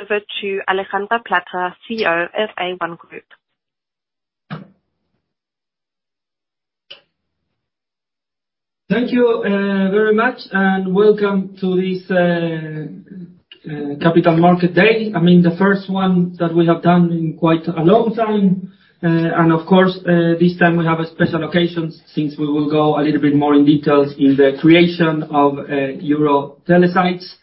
over to Alejandro Plater, CEO of A1 Group. Thank you, very much, and welcome to this Capital Market Day. I mean, the first one that we have done in quite a long time. Of course, this time we have a special occasion, since we will go a little bit more in details in the creation of EuroTeleSites.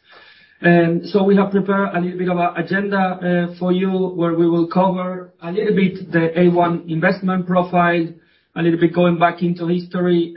So we have prepared a little bit of an agenda for you, where we will cover a little bit the A1 investment profile. A little bit going back into history,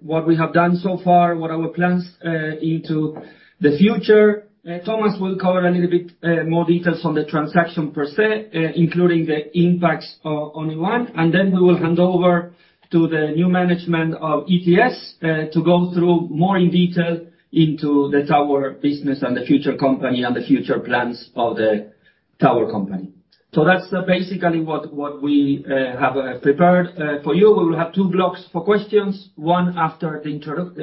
what we have done so far, what are our plans into the future. Thomas will cover a little bit more details on the transaction per se, including the impacts on A1, and then we will hand over to the new management of ETS to go through more in detail into the tower business and the future company and the future plans of the tower company. So that's basically what we have prepared for you. We will have two blocks for questions, one after the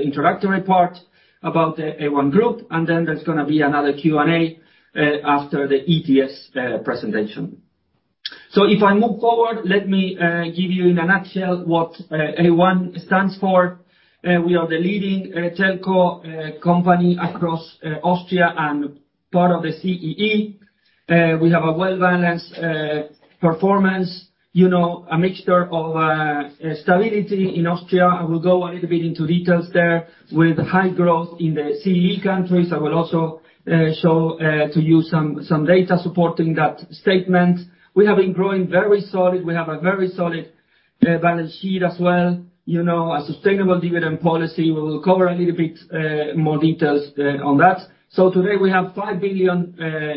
introductory part about the A1 Group, and then there's gonna be another Q&A after the ETS presentation. So if I move forward, let me give you in a nutshell what A1 stands for. We are the leading telco company across Austria and part of the CEE. We have a well-balanced performance, you know, a mixture of stability in Austria. I will go a little bit into details there, with high growth in the CEE countries. I will also show to you some data supporting that statement. We have been growing very solid. We have a very solid balance sheet as well, you know, a sustainable dividend policy. We will cover a little bit more details on that. So today, we have 5 billion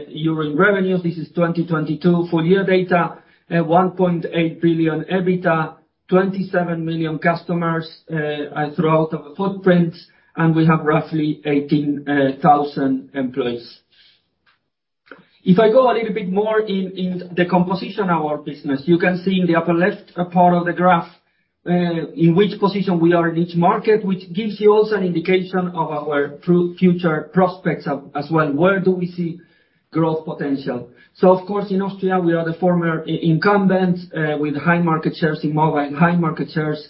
euro in revenue. This is 2022 full year data, 1.8 billion EBITDA, 27 million customers throughout our footprint, and we have roughly 18,000 employees. If I go a little bit more in, in the composition of our business, you can see in the upper left part of the graph, in which position we are in each market, which gives you also an indication of our future prospects as well. Where do we see growth potential? So of course, in Austria, we are the former incumbent, with high market shares in mobile and high market shares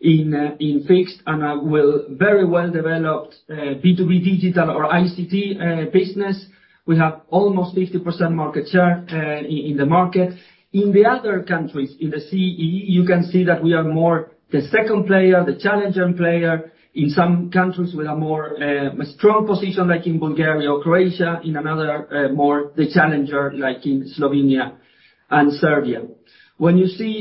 in, in fixed, and, we're very well developed, B2B digital or ICT, business. We have almost 50% market share, in the market. In the other countries, in the CEE, you can see that we are more the second player, the challenger player. In some countries, we are more, a strong position, like in Bulgaria or Croatia, in another, more the challenger, like in Slovenia and Serbia. When you see,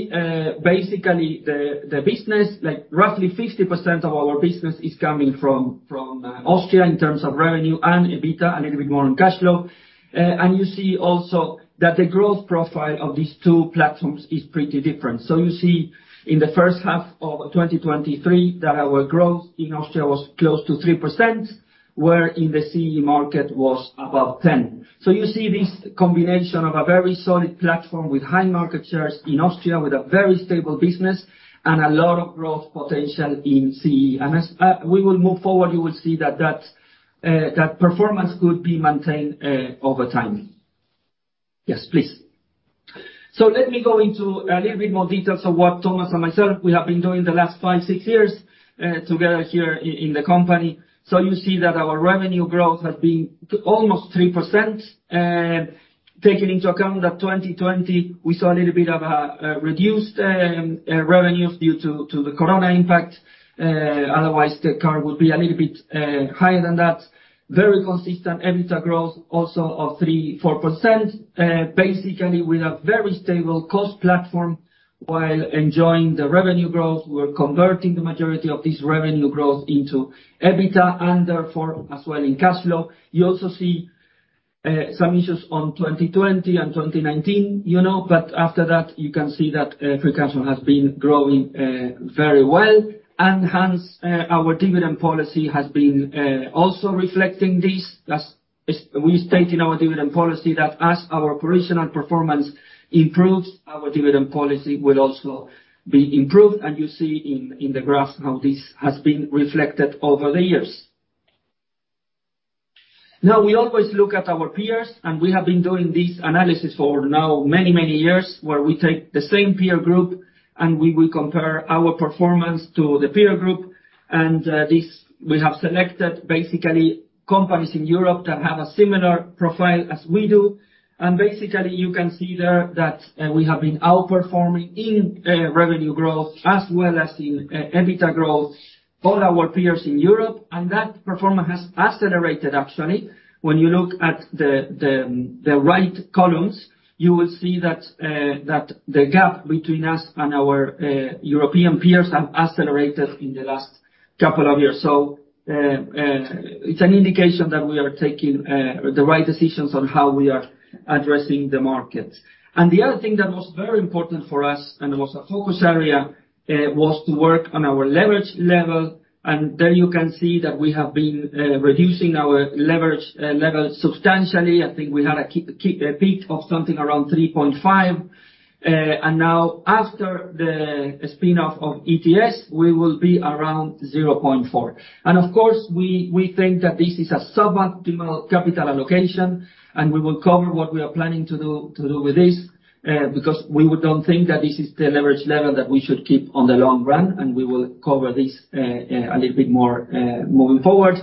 basically the, the business, like, roughly 50% of our business is coming from, from, Austria in terms of revenue and EBITDA, a little bit more on cash flow. And you see also that the growth profile of these two platforms is pretty different. So you see in the first half of 2023, that our growth in Austria was close to 3%, where in the CEE market was above 10. So you see this combination of a very solid platform with high market shares in Austria, with a very stable business and a lot of growth potential in CEE. And as we will move forward, you will see that, that, that performance could be maintained, over time. Yes, please. So let me go into a little bit more details of what Thomas and myself, we have been doing the last 5-6 years, together here in the company. So you see that our revenue growth has been almost 3%. Taking into account that 2020, we saw a little bit of a reduced revenues due to the corona impact. Otherwise, the curve would be a little bit higher than that. Very consistent EBITDA growth, also of 3%-4%, basically with a very stable cost platform while enjoying the revenue growth. We're converting the majority of this revenue growth into EBITDA and therefore as well in cash flow. You also see, some issues on 2020 and 2019, you know, but after that, you can see that, free cash flow has been growing, very well. And hence, our dividend policy has been, also reflecting this. As... We state in our dividend policy that as our operational performance improves, our dividend policy will also be improved, and you see in, in the graph how this has been reflected over the years. Now, we always look at our peers, and we have been doing this analysis for now many, many years, where we take the same peer group and we will compare our performance to the peer group. And, this, we have selected basically companies in Europe that have a similar profile as we do. Basically, you can see there that we have been outperforming in revenue growth as well as in EBITDA growth for our peers in Europe. And that performance has accelerated, actually. When you look at the right columns, you will see that the gap between us and our European peers has accelerated in the last couple of years. So, it's an indication that we are taking the right decisions on how we are addressing the market. And the other thing that was very important for us, and it was a focus area, was to work on our leverage level. And there you can see that we have been reducing our leverage level substantially. I think we had a peak of something around 3.5x. Now, after the spin-off of ETS, we will be around 0.4. Of course, we think that this is a suboptimal capital allocation, and we will cover what we are planning to do with this, because we don't think that this is the leverage level that we should keep on the long run, and we will cover this a little bit more moving forward.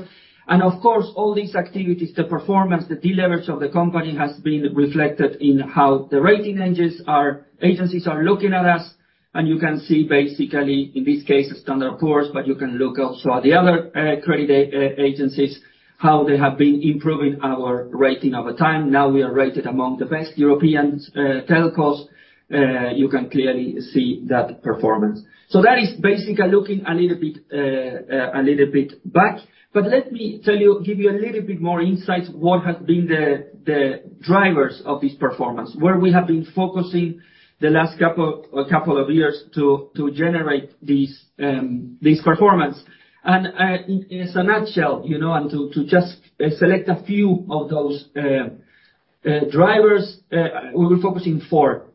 Of course, all these activities, the performance, the deleverage of the company, has been reflected in how the rating agencies are looking at us. You can see basically, in this case, Standard & Poor's, but you can look also at the other credit agencies, how they have been improving our rating over time. Now we are rated among the best European telcos. You can clearly see that performance. So that is basically looking a little bit back. But let me tell you, give you a little bit more insights, what has been the drivers of this performance, where we have been focusing the last couple of years to generate these this performance. And in as a nutshell, you know, and to just select a few of those drivers, we'll be focusing four.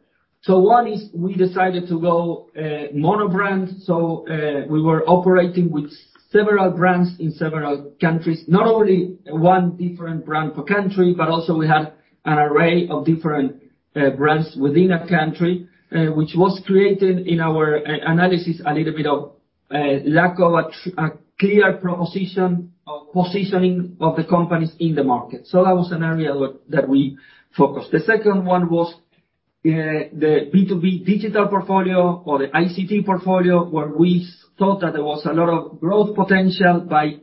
So one is we decided to go mono brand. So we were operating with several brands in several countries. Not only one different brand per country, but also we had an array of different brands within a country, which was created in our analysis, a little bit of lack of a clear proposition of positioning of the companies in the market. So that was an area where that we focused. The second one was the B2B digital portfolio or the ICT portfolio, where we thought that there was a lot of growth potential by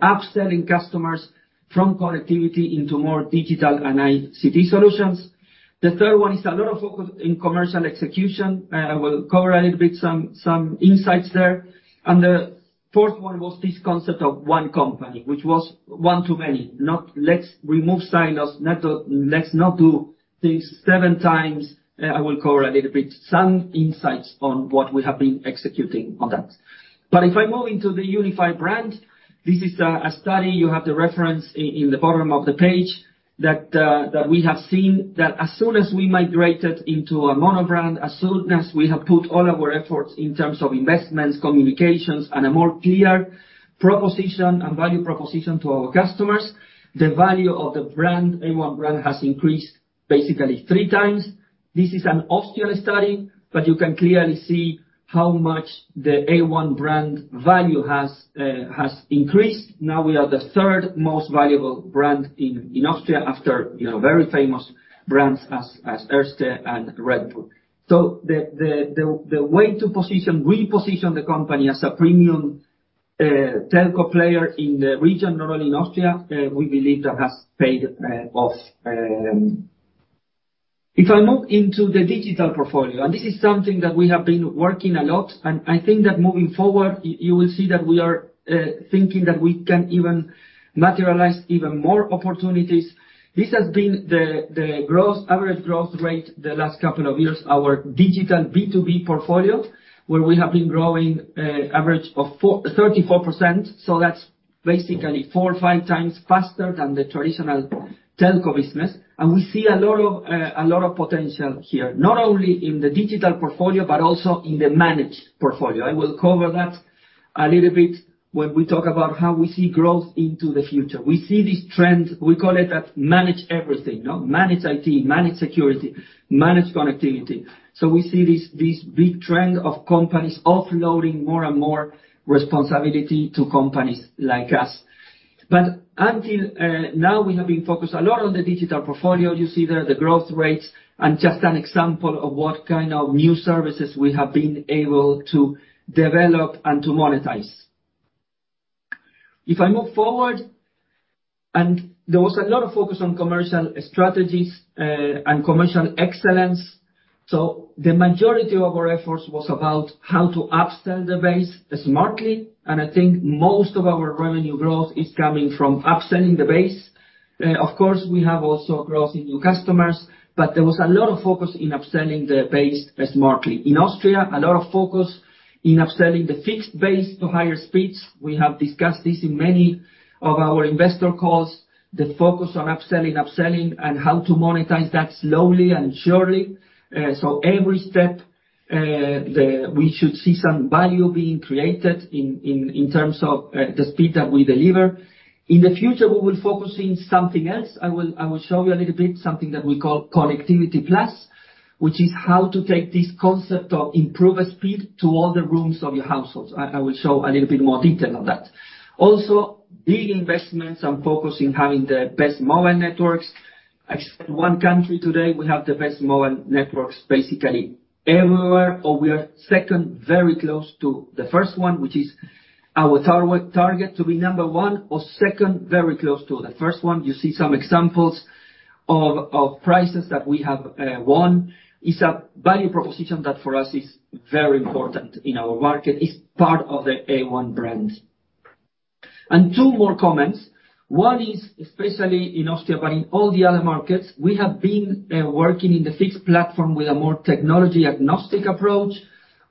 upselling customers from connectivity into more digital and ICT solutions. The third one is a lot of focus in commercial execution. I will cover a little bit some insights there. And the fourth one was this concept of one company, which was one to many, not let's remove silos, not let's not do things seven times. I will cover a little bit, some insights on what we have been executing on that. But if I move into the unified brand, this is a study, you have the reference in the bottom of the page, that we have seen, that as soon as we migrated into a mono brand, as soon as we have put all our efforts in terms of investments, communications, and a more clear proposition and value proposition to our customers, the value of the brand, A1 brand, has increased basically three times. This is an Austrian study, but you can clearly see how much the A1 brand value has increased. Now, we are the third most valuable brand in Austria, after, you know, very famous brands as Erste and Red Bull. So the way to position, reposition the company as a premium telco player in the region, not only in Austria, we believe that has paid off. If I move into the digital portfolio, and this is something that we have been working a lot, and I think that moving forward, you will see that we are thinking that we can even materialize even more opportunities. This has been the growth, average growth rate the last couple of years, our digital B2B portfolio, where we have been growing average of thirty-four percent. So that's basically four or five times faster than the traditional telco business. And we see a lot of a lot of potential here, not only in the digital portfolio, but also in the managed portfolio. I will cover that a little bit when we talk about how we see growth into the future. We see these trends, we call it a Managed Everything, Managed IT, Managed Security, Managed Connectivity. So we see this, this big trend of companies offloading more and more responsibility to companies like us. But until now, we have been focused a lot on the digital portfolio. You see the, the growth rates, and just an example of what kind of new services we have been able to develop and to monetize. If I move forward, and there was a lot of focus on commercial strategies, and commercial excellence. So the majority of our efforts was about how to upsell the base smartly, and I think most of our revenue growth is coming from upselling the base. Of course, we have also growth in new customers, but there was a lot of focus in upselling the base smartly. In Austria, a lot of focus in upselling the fixed base to higher speeds. We have discussed this in many of our investor calls, the focus on upselling, upselling, and how to monetize that slowly and surely. Every step, we should see some value being created in terms of the speed that we deliver. In the future, we will focus in something else. I will show you a little bit, something that we call Connectivity Plus, which is how to take this concept of improved speed to all the rooms of your household. I will show a little bit more detail on that. Also, big investments and focus in having the best mobile networks. Except one country today, we have the best mobile networks basically everywhere, or we are second, very close to the first one, which is our target, target to be number one or second, very close to the first one. You see some examples of, of prices that we have, won. It's a value proposition that for us is very important in our market. It's part of the A1 brand. And two more comments. One is, especially in Austria, but in all the other markets, we have been working in the fixed platform with a more technology-agnostic approach,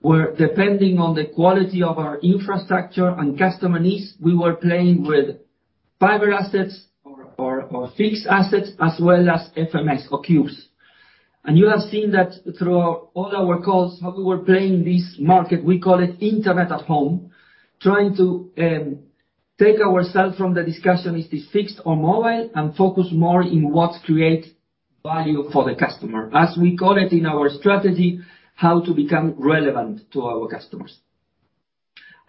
where depending on the quality of our infrastructure and customer needs, we were playing with fiber assets or, or, or fixed assets as well as FMS or cubes. You have seen that through all our calls, how we were playing this market, we call it internet at home, trying to take ourselves from the discussion, is this fixed or mobile, and focus more in what creates value for the customer, as we call it in our strategy, how to become relevant to our customers....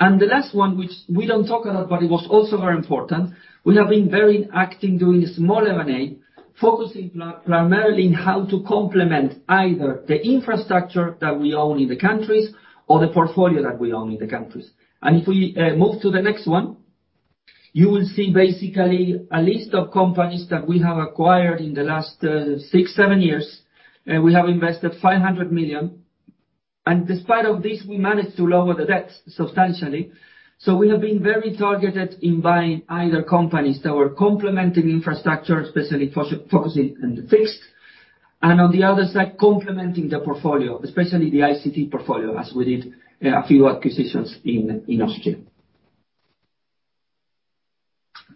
The last one, which we don't talk a lot, but it was also very important, we have been very active doing small M&A, focusing primarily in how to complement either the infrastructure that we own in the countries or the portfolio that we own in the countries. If we move to the next one, you will see basically a list of companies that we have acquired in the last six, seven years, and we have invested 500 million. Despite of this, we managed to lower the debt substantially. So we have been very targeted in buying either companies that were complementing infrastructure, especially focusing on the fixed, and on the other side, complementing the portfolio, especially the ICT portfolio, as we did a few acquisitions in Austria.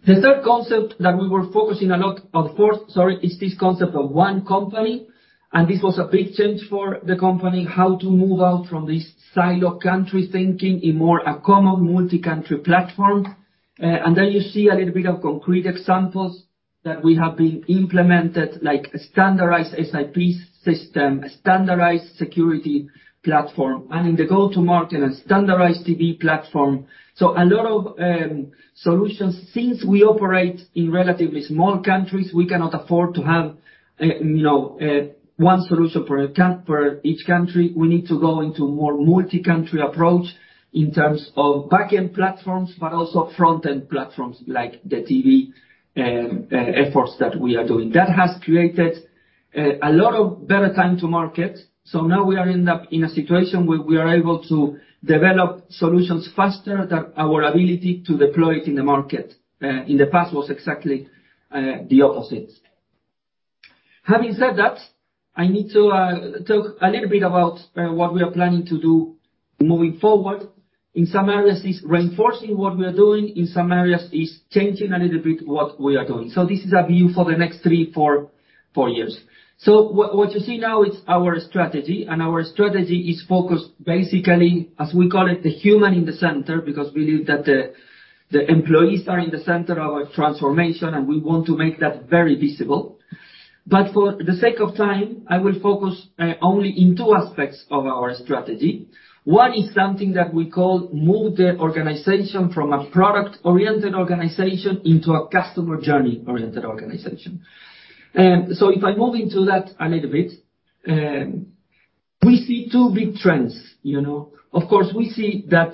The third concept that we were focusing a lot on, fourth, sorry, is this concept of one company, and this was a big change for the company: how to move out from this silo country thinking in more a common multi-country platform. And then you see a little bit of concrete examples that we have been implemented, like a standardized SAP system, a standardized security platform, and in the go-to-market, a standardized TV platform. So a lot of solutions. Since we operate in relatively small countries, we cannot afford to have, you know, one solution per each country. We need to go into more multi-country approach in terms of back-end platforms, but also front-end platforms, like the TV efforts that we are doing. That has created a lot of better time to market. So now we are in a situation where we are able to develop solutions faster than our ability to deploy it in the market. In the past was exactly the opposite. Having said that, I need to talk a little bit about what we are planning to do moving forward. In some areas, it's reinforcing what we are doing, in some areas, is changing a little bit what we are doing. So this is a view for the next 3, 4, 4 years. So what you see now is our strategy, and our strategy is focused basically, as we call it, the human in the center, because we believe that the employees are in the center of our transformation, and we want to make that very visible. But for the sake of time, I will focus only in two aspects of our strategy. One is something that we call move the organization from a product-oriented organization into a customer journey-oriented organization. So if I move into that a little bit, we see two big trends, you know. Of course, we see that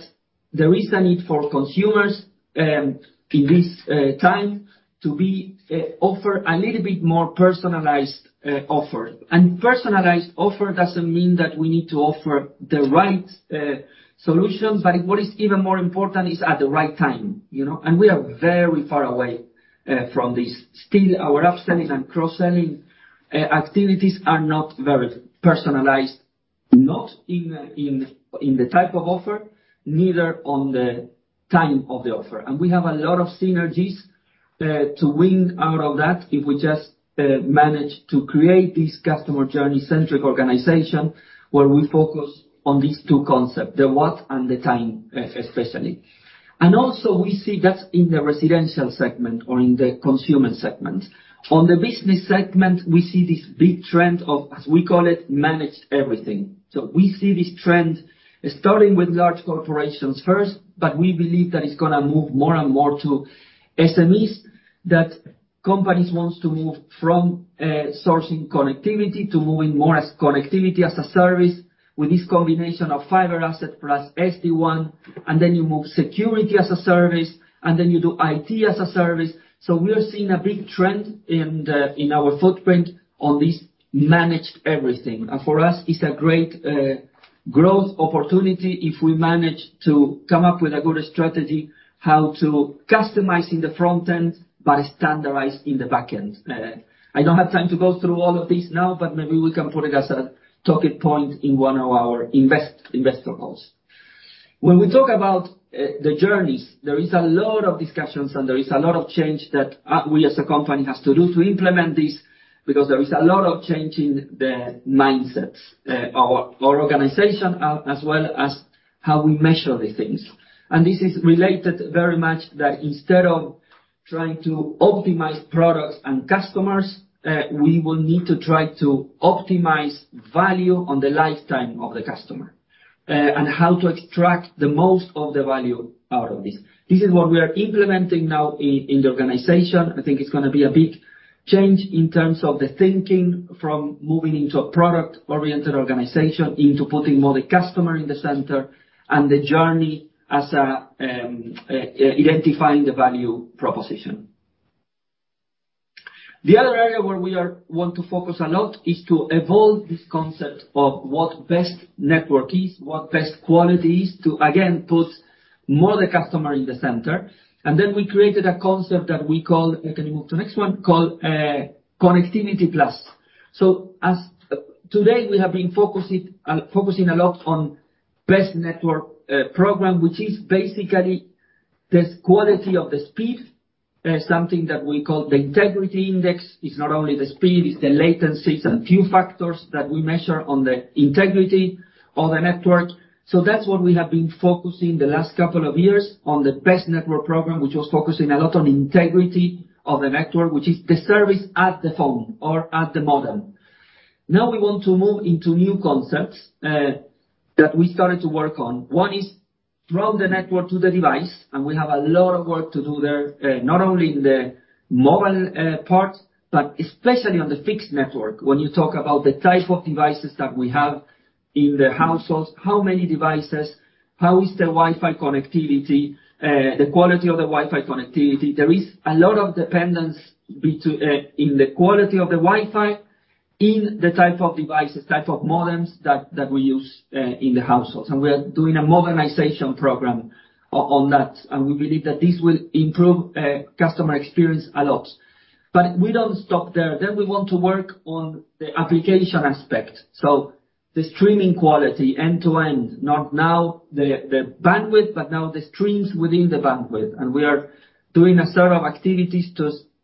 there is a need for consumers in this time to be offer a little bit more personalized offer. Personalized offer doesn't mean that we need to offer the right solution, but what is even more important is at the right time, you know, and we are very far away from this. Still, our upselling and cross-selling activities are not very personalized, not in the type of offer, neither on the time of the offer. We have a lot of synergies to win out of that if we just manage to create this customer journey-centric organization, where we focus on these two concepts: the what and the time, especially. Also we see that's in the residential segment or in the consumer segment. On the business segment, we see this big trend of, as we call it, managed everything. So we see this trend starting with large corporations first, but we believe that it's gonna move more and more to SMEs, that companies wants to move from sourcing connectivity to moving more as connectivity as a service, with this combination of fiber asset plus SD-WAN, and then you move security as a service, and then you do IT as a service. So we are seeing a big trend in the, in our footprint on this managed everything. And for us, it's a great growth opportunity if we manage to come up with a good strategy, how to customizing the front end, but standardize in the back end. I don't have time to go through all of this now, but maybe we can put it as a talking point in one of our investor calls. When we talk about the journeys, there is a lot of discussions and there is a lot of change that we as a company has to do to implement this, because there is a lot of change in the mindsets, our organization, as well as how we measure these things. This is related very much that instead of trying to optimize products and customers, we will need to try to optimize value on the lifetime of the customer, and how to extract the most of the value out of this. This is what we are implementing now in the organization. I think it's gonna be a big change in terms of the thinking from moving into a product-oriented organization, into putting more the customer in the center and the journey as a identifying the value proposition. The other area where we want to focus a lot is to evolve this concept of what best network is, what best quality is, to again, put more the customer in the center. And then we created a concept that we call Connectivity Plus. So today, we have been focusing a lot on Best Network Program, which is basically this quality of the speed, something that we call the integrity index. It's not only the speed, it's the latencies and a few factors that we measure on the integrity of the network. So that's what we have been focusing the last couple of years, on the Best Network Program, which was focusing a lot on integrity of the network, which is the service at the phone or at the model. Now we want to move into new concepts that we started to work on. One is from the network to the device, and we have a lot of work to do there, not only in the mobile part, but especially on the fixed network. When you talk about the type of devices that we have in the households, how many devices, how is the Wi-Fi connectivity, the quality of the Wi-Fi connectivity? There is a lot of dependence in the quality of the Wi-Fi, in the type of devices, type of modems that we use in the households, and we are doing a modernization program on that, and we believe that this will improve customer experience a lot. But we don't stop there. Then we want to work on the application aspect, so the streaming quality end-to-end, not now the bandwidth, but now the streams within the bandwidth. And we are doing a set of activities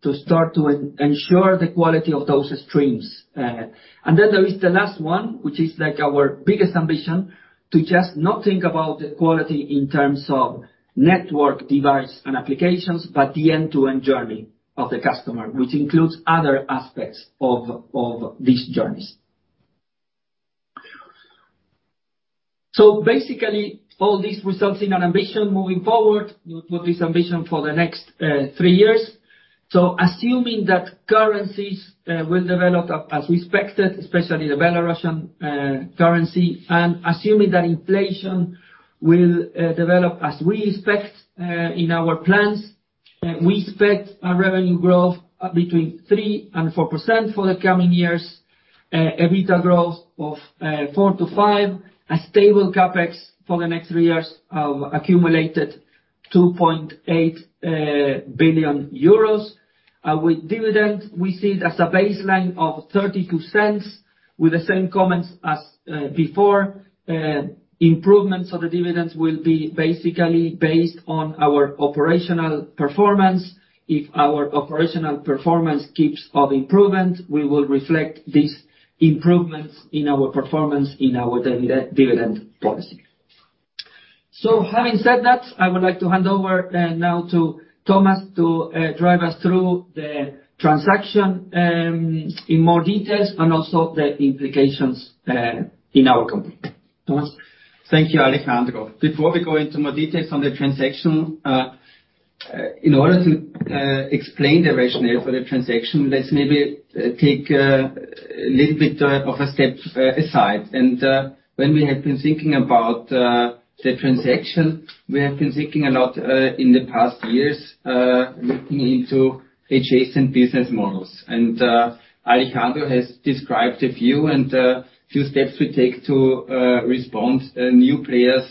to start to ensure the quality of those streams. And then there is the last one, which is, like, our biggest ambition, to just not think about the quality in terms of network, device, and applications, but the end-to-end journey of the customer, which includes other aspects of these journeys. So basically, all this results in an ambition moving forward, with this ambition for the next three years. So assuming that currencies will develop as expected, especially the Belarusian currency, and assuming that inflation will develop as we expect in our plans, we expect a revenue growth between 3% and 4% for the coming years. An EBITDA growth of 4%-5%, a stable CapEx for the next three years of accumulated 2.8 billion euros. With dividend, we see it as a baseline of 0.32, with the same comments as before. Improvements of the dividends will be basically based on our operational performance. If our operational performance keeps of improvement, we will reflect these improvements in our performance in our dividend policy. So having said that, I would like to hand over now to Thomas to drive us through the transaction in more details, and also the implications in our company. Thomas? Thank you, Alejandro. Before we go into more details on the transaction, in order to explain the rationale for the transaction, let's maybe take a little bit of a step aside. When we have been thinking about the transaction, we have been thinking a lot in the past years looking into adjacent business models. Alejandro has described a few and few steps we take to respond to new players,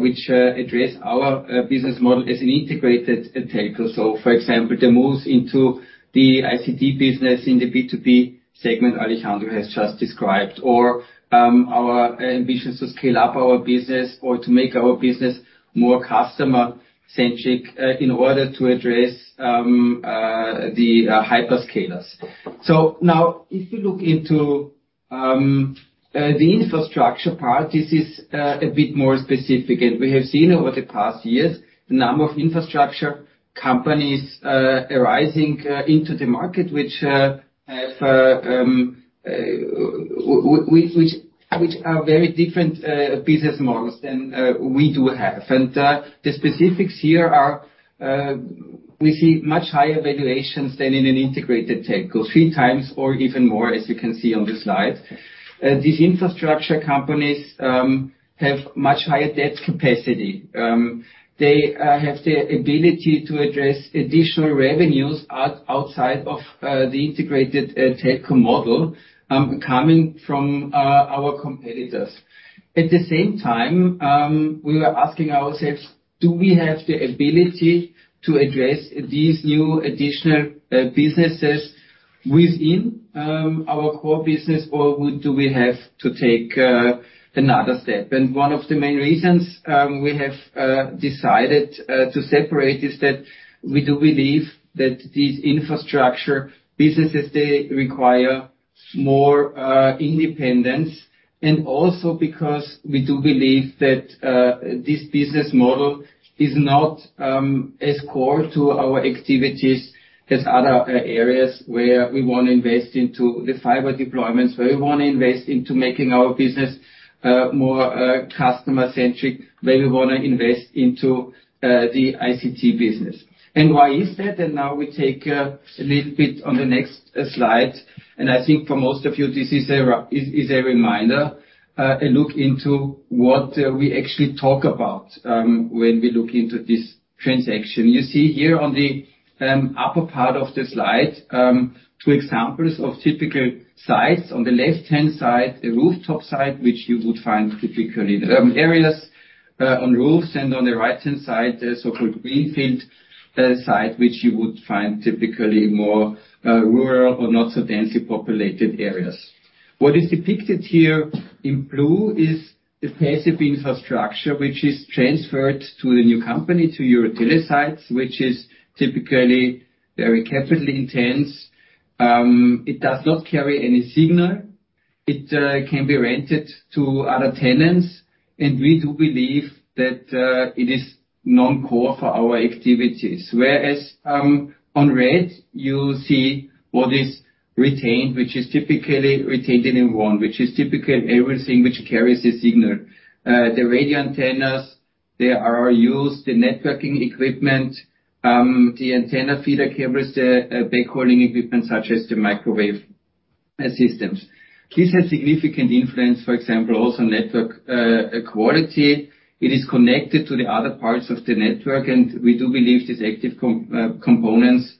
which address our business model as an integrated telco. So, for example, the moves into the ICT business in the B2B segment, Alejandro has just described, or our ambitions to scale up our business or to make our business more customer-centric in order to address the hyperscalers. So now, if you look into the infrastructure part, this is a bit more specific, and we have seen over the past years the number of infrastructure companies arising into the market, which are very different business models than we do have. And the specifics here are, we see much higher valuations than in an integrated telco, three times or even more, as you can see on the slide. These infrastructure companies have much higher debt capacity. They have the ability to address additional revenues outside of the integrated telco model, coming from our competitors. At the same time, we were asking ourselves: do we have the ability to address these new additional businesses within our core business, or do we have to take another step? And one of the main reasons we have decided to separate is that we do believe that these infrastructure businesses, they require more independence, and also because we do believe that this business model is not as core to our activities as other areas, where we want to invest into the fiber deployments, where we wanna invest into making our business more customer-centric, where we wanna invest into the ICT business. And why is that? Now we take a little bit on the next slide, and I think for most of you, this is a reminder, a look into what we actually talk about when we look into this transaction. You see here on the upper part of the slide, two examples of typical sites. On the left-hand side, a rooftop site, which you would find typically the areas on roofs, and on the right-hand side, a so-called greenfield site, which you would find typically more rural or not so densely populated areas. What is depicted here in blue is the passive infrastructure, which is transferred to the new company, to EuroTeleSites, which is typically very capital intense. It does not carry any signal-... It can be rented to other tenants, and we do believe that it is non-core for our activities. Whereas on red, you see what is retained, which is typically retained in A1, which is typically everything which carries a signal. The radio antennas, they are used, the networking equipment, the antenna feeder cables, the backhauling equipment, such as the microwave systems. This has significant influence, for example, also network quality. It is connected to the other parts of the network, and we do believe these active components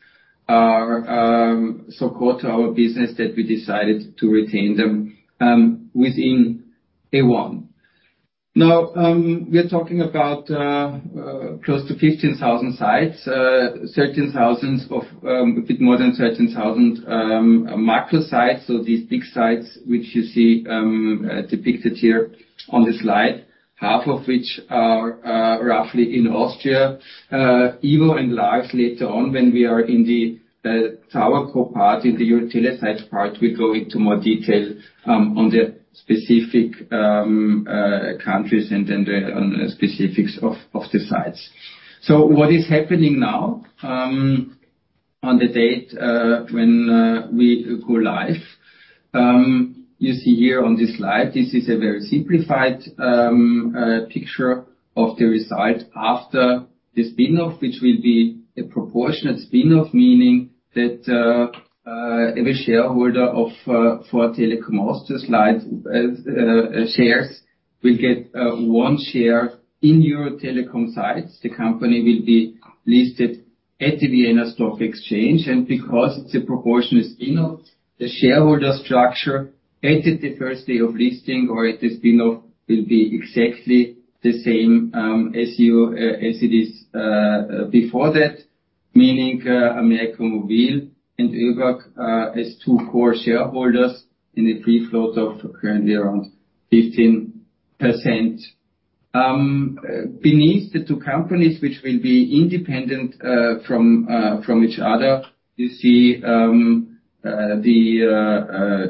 are so core to our business that we decided to retain them within A1. Now, we are talking about close to 15,000 sites, 13 thousands of, a bit more than 13,000 macro sites. So these big sites, which you see depicted here on the slide, half of which are roughly in Austria. Ivo and Lars later on, when we are in the TowerCo part, in the EuroTeleSites part, we go into more detail on the specific countries and then on the specifics of the sites. So what is happening now on the date when we go live, you see here on this slide, this is a very simplified picture of the result after the spin-off, which will be a proportionate spin-off. Meaning that every shareholder of for Telekom Austria shares will get one share in EuroTeleSites. The company will be listed at the Vienna Stock Exchange, and because it's a proportionate spin-off, the shareholder structure, as at the first day of listing or at the spin-off, will be exactly the same, as you, as it is, before that. Meaning, América Móvil and ÖBAG, as two core shareholders in a free float of currently around 15%. Beneath the two companies, which will be independent, from, from each other, you see, the,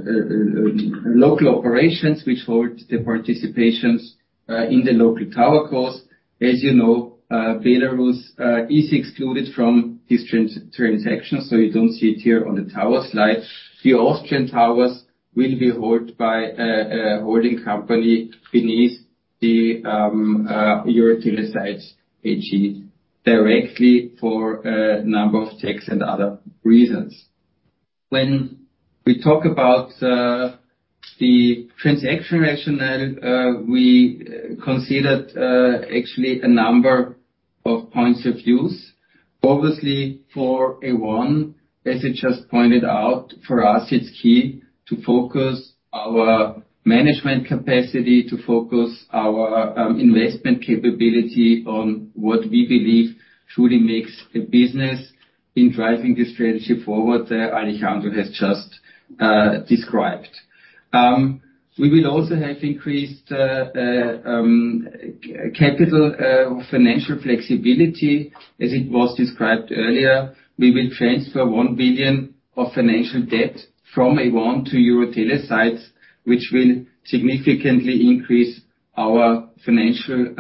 the local operations which hold the participations, in the local TowerCo. As you know, Belarus, is excluded from this transaction, so you don't see it here on the tower slide. The Austrian towers will be held by a, a holding company beneath the, EuroTeleSites AG, directly for a number of tax and other reasons. When we talk about the transaction rationale, we considered actually a number of points of views. Obviously, for A1, as I just pointed out, for us, it's key to focus our management capacity, to focus our investment capability on what we believe truly makes the business in driving this strategy forward, Alejandro has just described. We will also have increased capital financial flexibility. As it was described earlier, we will transfer 1 billion of financial debt from A1 to EuroTeleSites, which will significantly increase our financial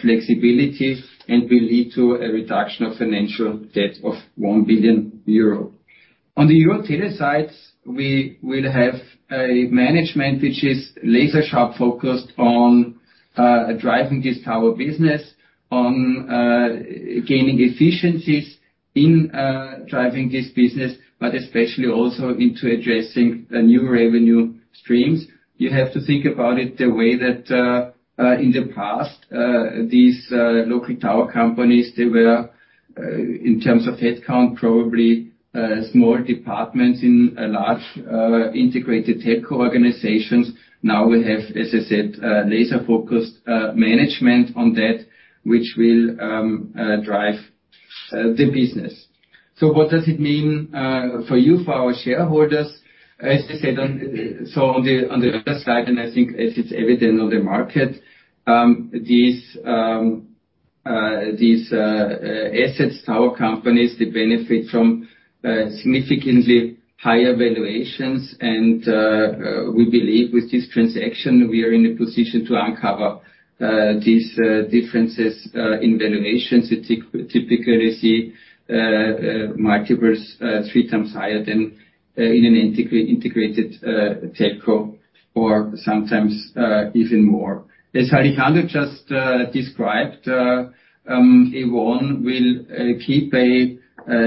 flexibility and will lead to a reduction of financial debt of 1 billion euro. On the EuroTeleSites, we will have a management which is laser sharp focused on driving this tower business, on gaining efficiencies in driving this business, but especially also into addressing the new revenue streams. You have to think about it the way that, in the past, these local tower companies, they were, in terms of headcount, probably, small departments in a large, integrated telco organizations. Now we have, as I said, laser focused management on that, which will drive the business. So what does it mean for you, for our shareholders? As I said, so on the other side, and I think as it's evident on the market, these assets, tower companies, they benefit from significantly higher valuations. And we believe with this transaction, we are in a position to uncover these differences in valuations. You typically see multiples three times higher than in an integrated telco, or sometimes even more. As Alejandro just described, A1 will keep a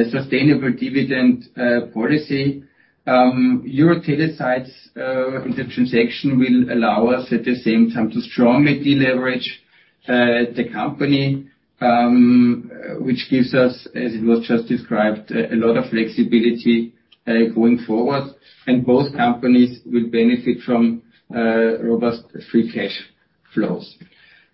sustainable dividend policy. EuroTeleSites, the transaction will allow us at the same time to strongly deleverage the company, which gives us, as it was just described, a lot of flexibility going forward, and both companies will benefit from robust free cash flows.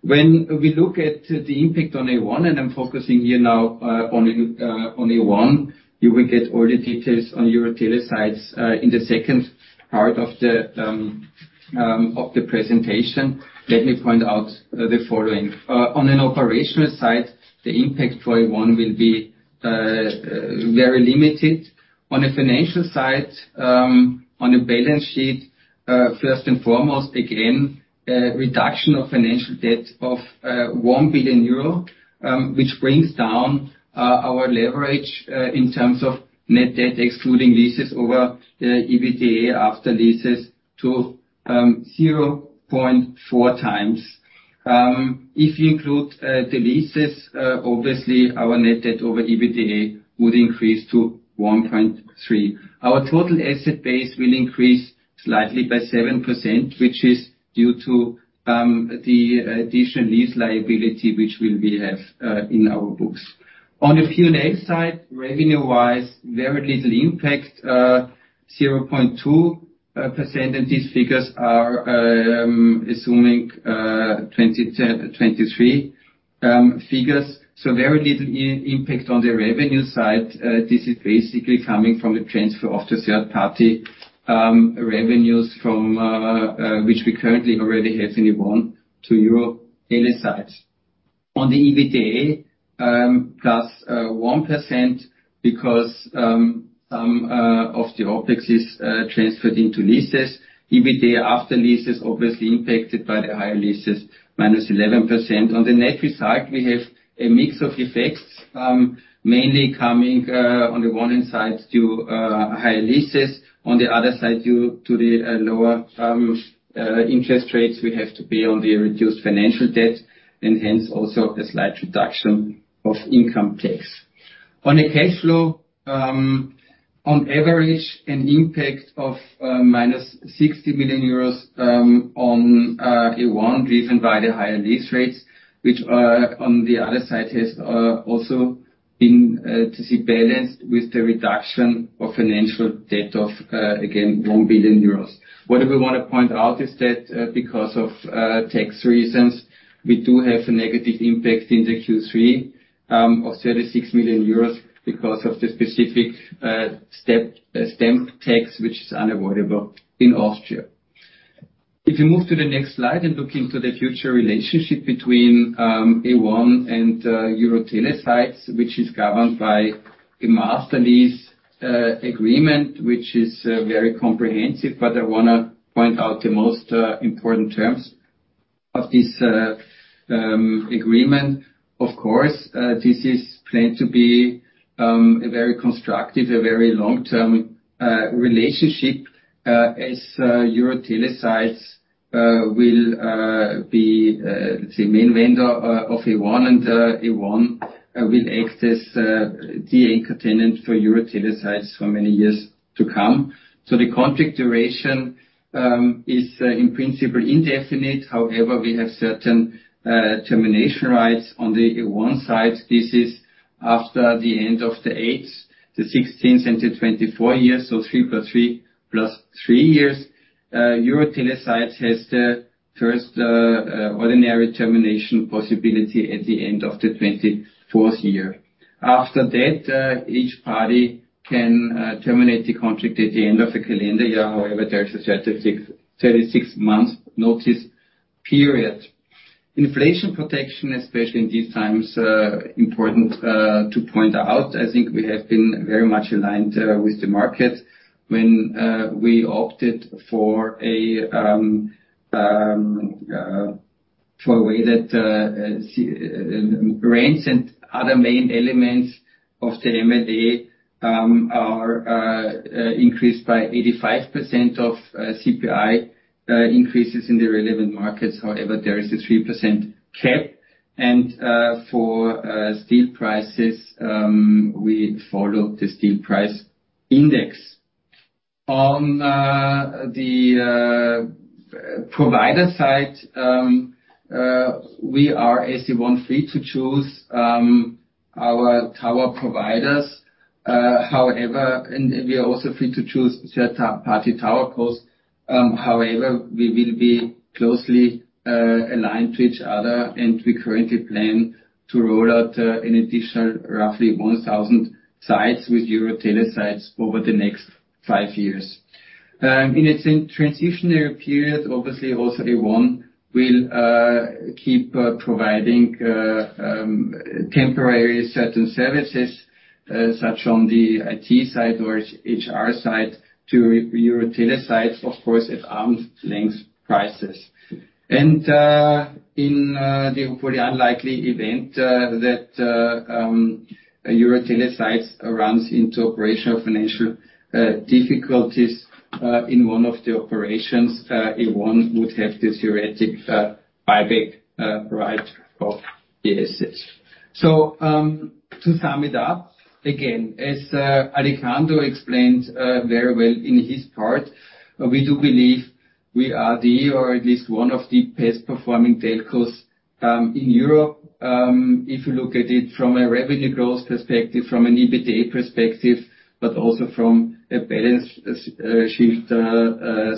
When we look at the impact on A1, and I'm focusing here now on A1, you will get all the details on EuroTeleSites in the second part of the presentation, let me point out the following. On an operational side, the impact for A1 will be very limited. On a financial side, on a balance sheet, first and foremost, again, a reduction of financial debt of 1 billion euro, which brings down our leverage in terms of net debt, excluding leases over EBITDA after leases to 0.4x. If you include the leases, obviously, our net debt over EBITDA would increase to 1.3. Our total asset base will increase slightly by 7%, which is due to the additional lease liability, which we will have in our books. On the P&L side, revenue-wise, very little impact, 0.2%, and these figures are assuming 2023 figures. So very little impact on the revenue side. This is basically coming from a transfer of the third party revenues from which we currently already have in A1 to EuroTeleSites. On the EBITDA, +1% because some of the OpEx is transferred into leases. EBITDA after leases, obviously impacted by the higher leases, -11%. On the net result, we have a mix of effects, mainly coming on the one hand side to higher leases. On the other side, due to the lower interest rates we have to pay on the reduced financial debt, and hence, also a slight reduction of income tax. On a cash flow, on average, an impact of -60 million euros on A1, driven by the higher lease rates, which on the other side has also been balanced with the reduction of financial debt of again 1 billion euros. What we wanna point out is that because of tax reasons, we do have a negative impact in the Q3 of 36 million euros because of the specific stamp tax, which is unavoidable in Austria. If you move to the next slide and look into the future relationship between A1 and EuroTeleSites, which is governed by a master lease agreement, which is very comprehensive, but I wanna point out the most important terms of this agreement. Of course, this is planned to be a very constructive, a very long-term relationship, as EuroTeleSites will be the main vendor of A1, and A1 will act as the anchor tenant for EuroTeleSites for many years to come. So the contract duration is, in principle, indefinite. However, we have certain termination rights. On the A1 side, this is after the end of the 8th, the 16th, and the 24 years, so 3 + 3 + 3 years. EuroTeleSites has the first ordinary termination possibility at the end of the 24th year. After that, each party can terminate the contract at the end of the calendar year. However, there is a 36-month notice period. Inflation protection, especially in these times, important to point out. I think we have been very much aligned with the market when we opted for a way that rents and other main elements of the MLA are increased by 85% of CPI increases in the relevant markets. However, there is a 3% cap, and for steel prices, we follow the steel price index. On the provider side, we are, as A1, free to choose our tower providers, however, and we are also free to choose third party TowerCos. However, we will be closely aligned to each other, and we currently plan to roll out an additional roughly 1,000 sites with EuroTeleSites over the next five years. In a transitionary period, obviously, also A1 will keep providing temporary certain services such on the IT side or HR side, to EuroTeleSites, of course, at arm's length prices. And in the unlikely event that EuroTeleSites runs into operational, financial difficulties in one of the operations, A1 would have this theoretic buyback right of the assets. So, to sum it up, again, as Alejandro explained very well in his part, we do believe we are the, or at least one of the best-performing telcos in Europe. If you look at it from a revenue growth perspective, from an EBITDA perspective, but also from a balance sheet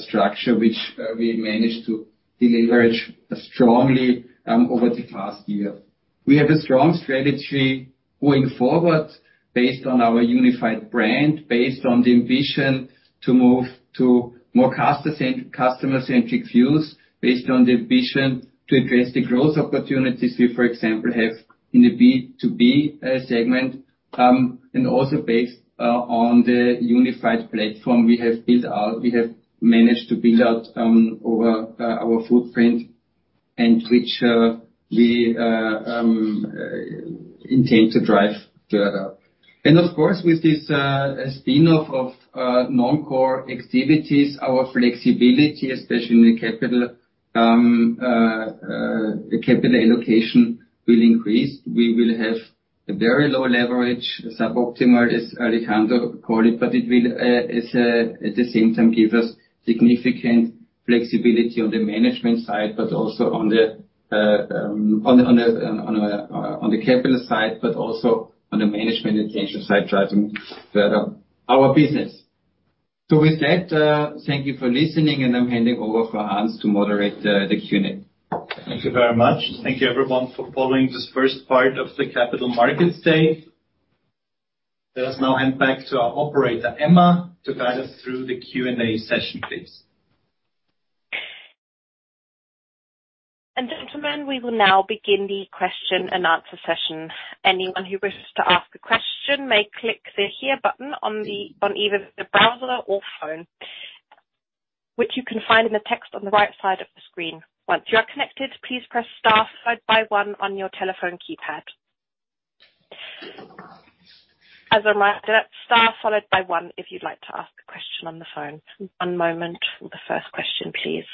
structure, which we managed to deleverage strongly over the past year. ...We have a strong strategy going forward based on our unified brand, based on the ambition to move to more customer-centric, customer-centric views, based on the ambition to address the growth opportunities we, for example, have in the B2B segment. And also based on the unified platform we have built out, we have managed to build out over our footprint, and which we intend to drive further. And of course, with this spin-off of non-core activities, our flexibility, especially in the capital the capital allocation will increase. We will have a very low leverage, suboptimal, as Alejandro call it, but it will, at the same time, give us significant flexibility on the management side, but also on the capital side, but also on the management intention side, driving further our business. So with that, thank you for listening, and I'm handing over for Hans to moderate, the Q&A. Thank you very much. Thank you, everyone, for following this first part of the Capital Markets Day. Let us now hand back to our operator, Emma, to guide us through the Q&A session, please. And gentlemen, we will now begin the question-and-answer session. Anyone who wishes to ask a question may click the Here button on either the browser or phone, which you can find in the text on the right side of the screen. Once you are connected, please press star followed by one on your telephone keypad. As a reminder, star followed by one if you'd like to ask a question on the phone. One moment for the first question, please.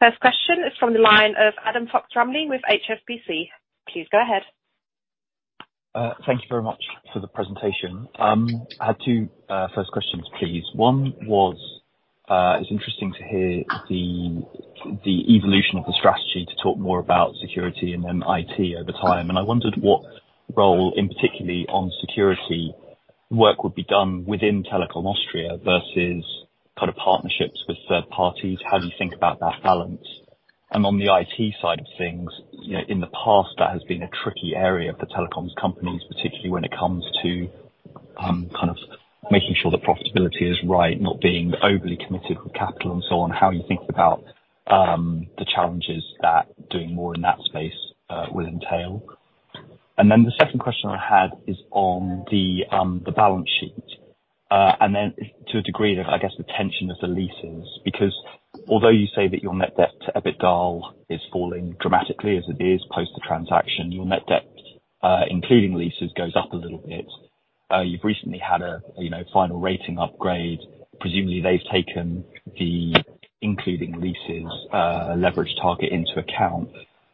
First question is from the line of Adam Fox-Rumley with HSBC. Please go ahead. Thank you very much for the presentation. I had two first questions, please. One was, it's interesting to hear the evolution of the strategy to talk more about security and then IT over time. And I wondered what role, in particular on security, work would be done within Telekom Austria versus kind of partnerships with third parties. How do you think about that balance? And on the IT side of things, you know, in the past, that has been a tricky area of the telecoms companies, particularly when it comes to kind of making sure the profitability is right, not being overly committed with capital and so on, how you think about the challenges that doing more in that space will entail? Then the second question I had is on the balance sheet, and then to a degree, of I guess, the tension of the leases. Because although you say that your net debt to EBITDA is falling dramatically, as it is post the transaction, your net debt, including leases, goes up a little bit. You've recently had a, you know, final rating upgrade. Presumably, they've taken the including leases leverage target into account.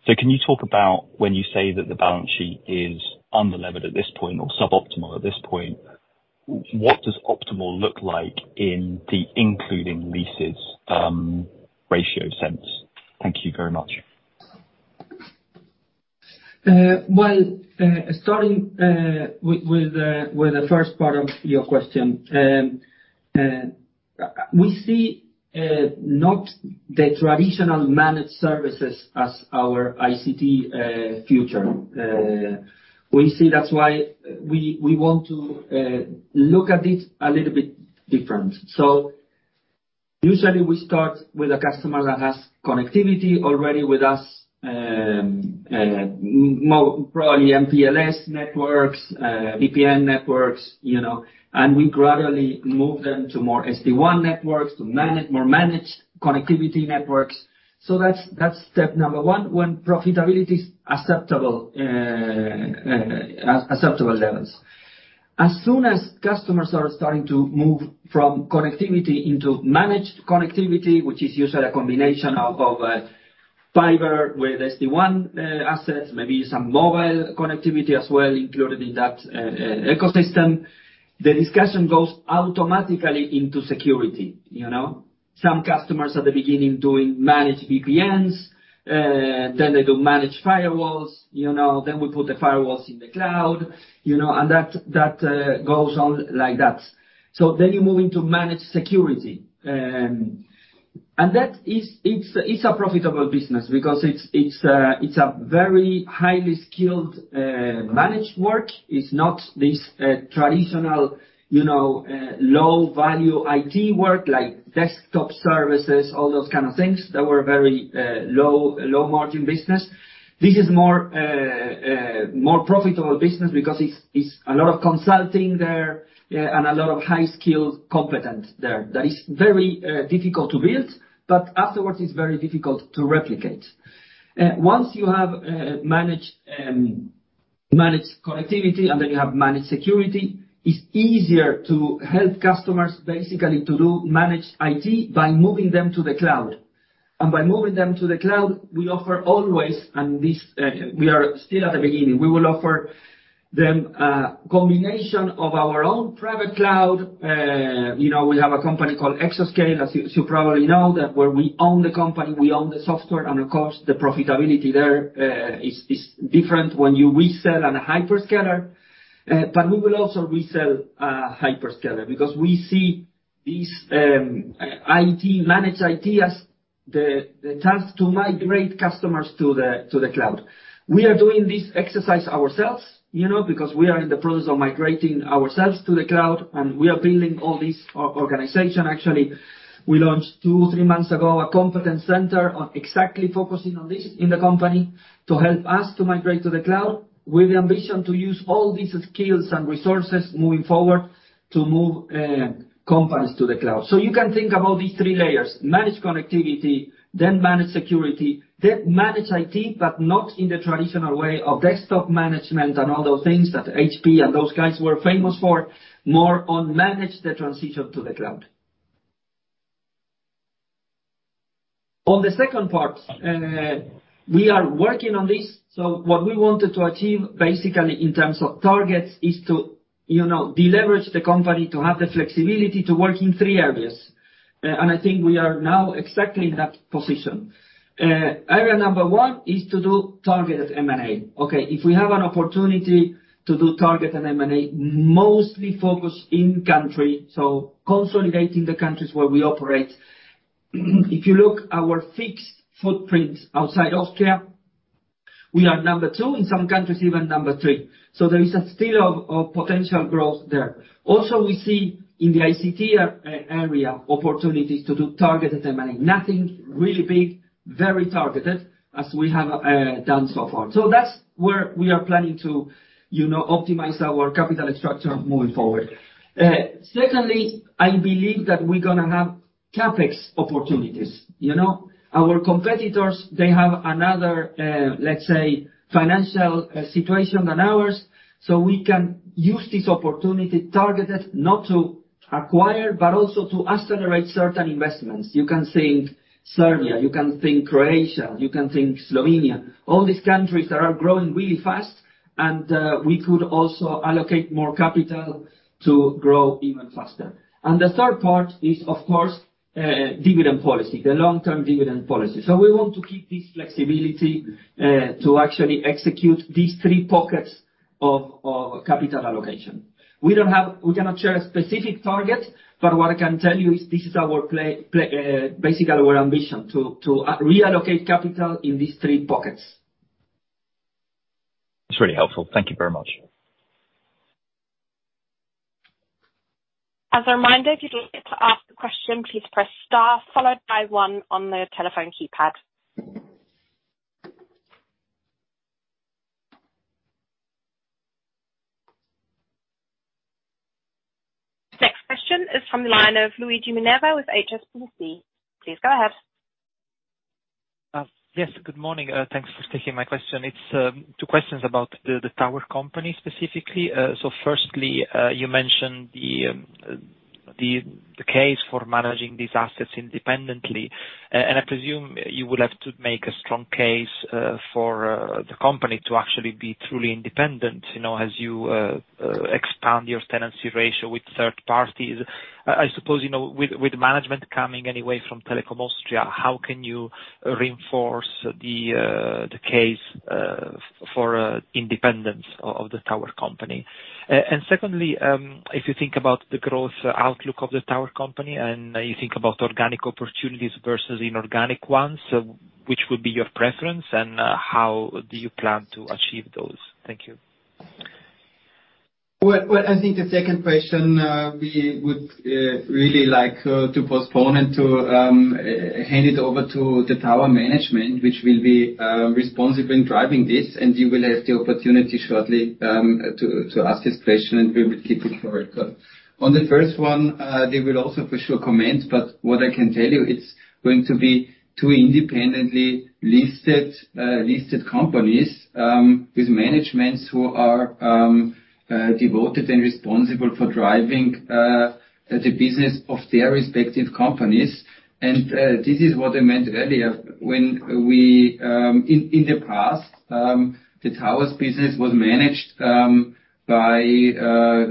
So can you talk about when you say that the balance sheet is unlevered at this point or suboptimal at this point, what does optimal look like in the including leases, ratio sense? Thank you very much. Well, starting with the first part of your question. We see not the traditional managed services as our ICT future. We see that's why we want to look at it a little bit different. So usually we start with a customer that has connectivity already with us, more probably MPLS networks, VPN networks, you know, and we gradually move them to more SD-WAN networks, to managed, more managed connectivity networks. So that's step number one, when profitability is acceptable, acceptable levels. As soon as customers are starting to move from connectivity into managed connectivity, which is usually a combination of fiber with SD-WAN assets, maybe some mobile connectivity as well, included in that ecosystem, the discussion goes automatically into security, you know. Some customers at the beginning doing managed VPNs, then they do managed firewalls, you know, then we put the firewalls in the cloud, you know, and that goes on like that. So then you move into managed security, and that is, it's a profitable business because it's a very highly skilled managed work. It's not this traditional, you know, low-value IT work, like desktop services, all those kind of things that were very low-margin business. This is more profitable business because it's a lot of consulting there and a lot of high-skilled competence there. That is very difficult to build, but afterwards, it's very difficult to replicate. Once you have managed connectivity, and then you have managed security, it's easier to help customers basically to do managed IT by moving them to the cloud. And by moving them to the cloud, we offer always, and this, we are still at the beginning, we will offer them a combination of our own private cloud. You know, we have a company called Exoscale, as you, you probably know, that where we own the company, we own the software, and of course, the profitability there, is, is different when you resell on a hyperscaler. But we will also resell a hyperscaler, because we see these IT, managed IT as the task to migrate customers to the cloud. We are doing this exercise ourselves, you know, because we are in the process of migrating ourselves to the cloud, and we are building all this organization. Actually, we launched 2, 3 months ago, a competence center on exactly focusing on this in the company to help us to migrate to the cloud, with the ambition to use all these skills and resources moving forward to move companies to the cloud. So you can think about these three layers: managed connectivity, then managed security, then managed IT, but not in the traditional way of desktop management and all those things that HP and those guys were famous for, more on manage the transition to the cloud. On the second part, we are working on this. So what we wanted to achieve, basically, in terms of targets, is to, you know, deleverage the company to have the flexibility to work in three areas, and I think we are now exactly in that position. Area number one is to do targeted M&A. Okay, if we have an opportunity to do targeted M&A, mostly focused in country, so consolidating the countries where we operate. If you look at our fixed footprint outside Austria, we are number two, in some countries even number three, so there is still a lot of potential growth there. Also, we see in the ICT area, opportunities to do targeted M&A. Nothing really big, very targeted, as we have done so far. So that's where we are planning to, you know, optimize our capital structure moving forward. Secondly, I believe that we're gonna have CapEx opportunities. You know, our competitors, they have another, let's say, financial situation than ours, so we can use this opportunity, targeted, not to acquire, but also to accelerate certain investments. You can think Serbia, you can think Croatia, you can think Slovenia. All these countries that are growing really fast, and we could also allocate more capital to grow even faster. And the third part is, of course, dividend policy, the long-term dividend policy. So we want to keep this flexibility, to actually execute these three pockets of capital allocation. We don't have -- we cannot share a specific target, but what I can tell you is this is our play, basically our ambition, to reallocate capital in these three pockets. It's really helpful. Thank you very much. As a reminder, if you'd like to ask a question, please press star followed by one on the telephone keypad. Next question is from the line of Luigi Minerva with HSBC. Please go ahead. Yes, good morning. Thanks for taking my question. It's two questions about the tower company specifically. So firstly, you mentioned the case for managing these assets independently. And I presume you would have to make a strong case for the company to actually be truly independent, you know, as you expand your tenancy ratio with third parties. I suppose, you know, with management coming anyway from Telekom Austria, how can you reinforce the case for independence of the tower company? And secondly, if you think about the growth outlook of the tower company, and you think about organic opportunities versus inorganic ones, so which would be your preference, and how do you plan to achieve those? Thank you. Well, I think the second question, we would really like to postpone and to hand it over to the tower management, which will be responsible in driving this, and you will have the opportunity shortly to ask this question, and we will keep it for it. But on the first one, they will also for sure comment, but what I can tell you, it's going to be two independently listed companies, with managements who are devoted and responsible for driving the business of their respective companies. And this is what I meant earlier, when we... In the past, the towers business was managed by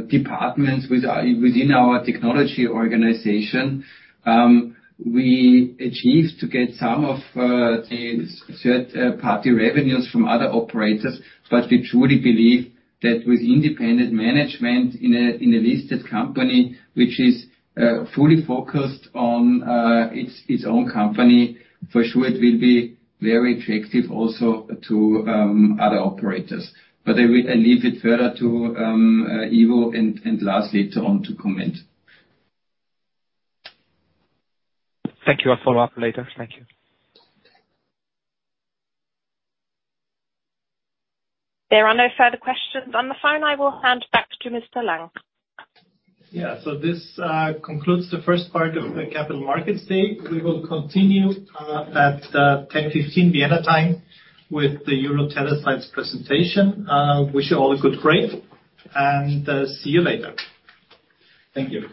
departments within our technology organization. We achieved to get some of the third party revenues from other operators, but we truly believe that with independent management in a listed company, which is fully focused on its own company, for sure it will be very attractive also to other operators. But I will leave it further to Ivo and Lars later on to comment. Thank you. I'll follow up later. Thank you. There are no further questions on the phone. I will hand back to Mr. Lang. Yeah. So this concludes the first part of the capital markets day. We will continue at 10:15 Vienna time with the EuroTeleSites presentation. Wish you all a good break, and see you later. Thank you.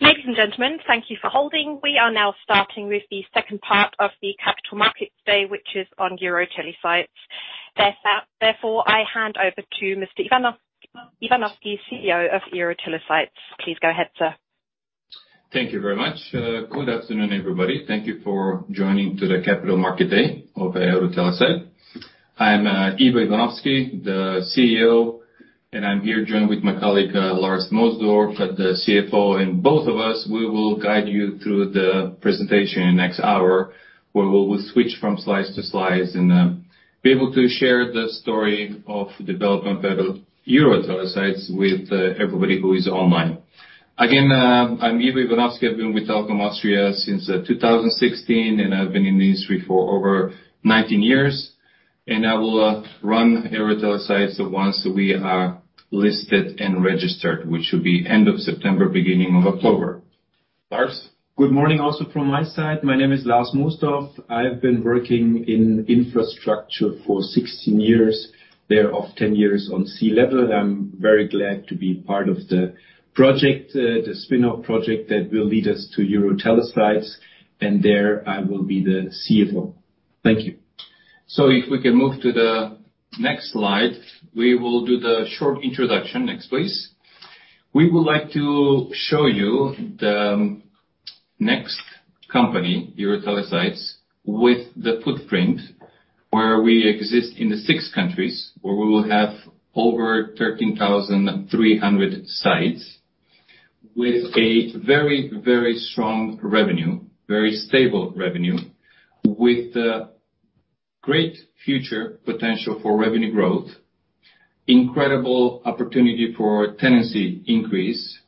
Ladies and gentlemen, thank you for holding. We are now starting with the second part of the Capital Markets Day, which is on EuroTeleSites. Therefore, I hand over to Mr. Ivanovski, CEO of EuroTeleSites. Please go ahead, sir. Thank you very much. Good afternoon, everybody. Thank you for joining to the Capital Market Day of EuroTeleSites. I'm, Ivo Ivanovski, the CEO, and I'm here joined with my colleague, Lars Mosdorf, the CFO. Both of us, we will guide you through the presentation in the next hour, where we will switch from slide to slide and be able to share the story of development of EuroTeleSites with everybody who is online. Again, I'm Ivo Ivanovski. I've been with Telekom Austria since 2016, and I've been in the industry for over 19 years, and I will run EuroTeleSites once we are listed and registered, which will be end of September, beginning of October. Lars? Good morning, also from my side. My name is Lars Mosdorf. I've been working in infrastructure for 16 years, thereof 10 years on C level. I'm very glad to be part of the project, the spin-off project that will lead us to EuroTeleSites, and there I will be the CFO. Thank you. So if we can move to the next slide, we will do the short introduction. Next, please. We would like to show you the next company, EuroTeleSites, with the footprint where we exist in the six countries, where we will have over 13,300 sites, with a very, very strong revenue, very stable revenue, with great future potential for revenue growth, incredible opportunity for tenancy increase.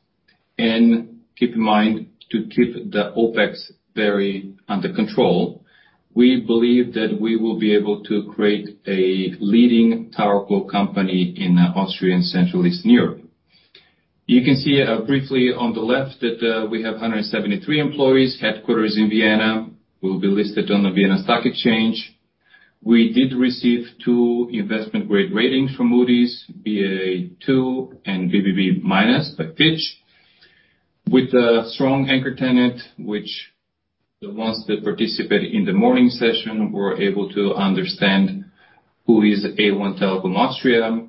And keep in mind, to keep the OpEx very under control. We believe that we will be able to create a leading TowerCo company in Austria and Central East Europe. You can see briefly on the left that we have 173 employees. Headquarters in Vienna, we'll be listed on the Vienna Stock Exchange. We did receive two investment-grade ratings from Moody's, Baa2 and BBB- by Fitch, with a strong anchor tenant, which the ones that participated in the morning session were able to understand who is A1 Telekom Austria,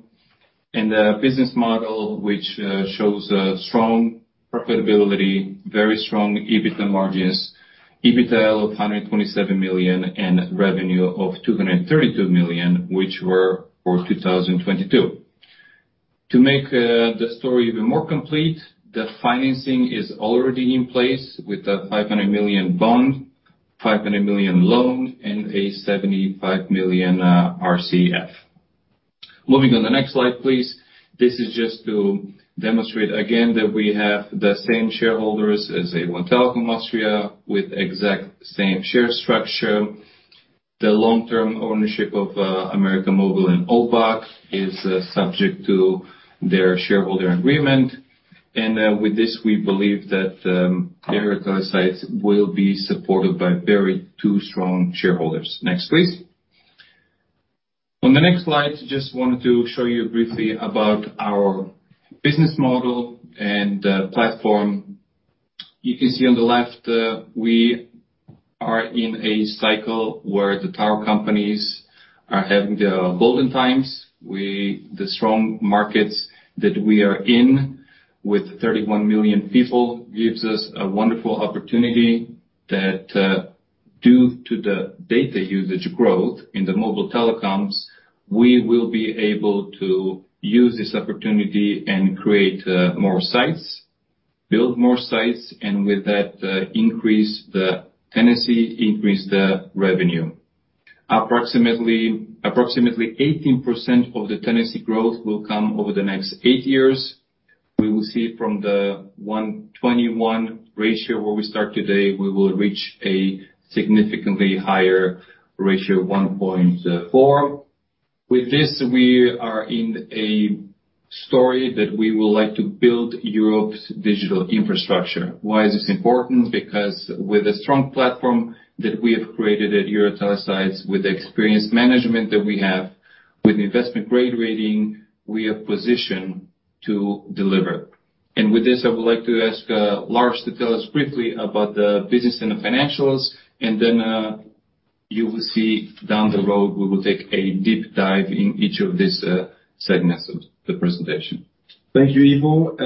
and the business model, which shows a strong profitability, very strong EBITDA margins, EBITDA of 127 million, and revenue of 232 million, which were for 2022. To make the story even more complete, the financing is already in place with a 500 million bond, 500 million loan, and a 75 million RCF. Moving on the next slide, please. This is just to demonstrate again that we have the same shareholders as A1 Telekom Austria, with exact same share structure. The long-term ownership of América Móvil and ÖBAG is subject to their shareholder agreement. With this, we believe that EuroTeleSites will be supported by two very strong shareholders. Next, please. On the next slide, just wanted to show you briefly about our business model and platform. You can see on the left, we are in a cycle where the tower companies are having their golden times. The strong markets that we are in, with 31 million people, gives us a wonderful opportunity that due to the data usage growth in the mobile telecoms, we will be able to use this opportunity and create more sites, build more sites, and with that increase the tenancy, increase the revenue. Approximately 18% of the tenancy growth will come over the next eight years. We will see from the 1.21 ratio where we start today, we will reach a significantly higher ratio, 1.4. With this, we are in a story that we would like to build Europe's digital infrastructure. Why is this important? Because with a strong platform that we have created at EuroTeleSites, with the experienced management that we have, with investment-grade rating, we are positioned to deliver. And with this, I would like to ask, Lars to tell us briefly about the business and the financials, and then, you will see down the road, we will take a deep dive in each of these, segments of the presentation. Thank you, Ivo.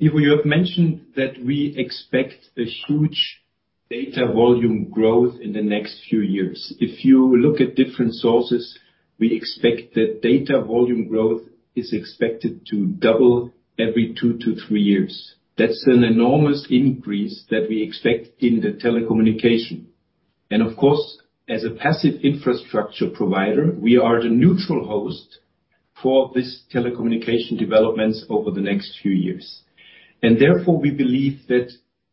Ivo, you have mentioned that we expect a huge data volume growth in the next few years. If you look at different sources, we expect that data volume growth is expected to double every two to three years. That's an enormous increase that we expect in the telecommunications. And of course, as a passive infrastructure provider, we are the neutral host for this telecommunications developments over the next few years. And therefore, we believe that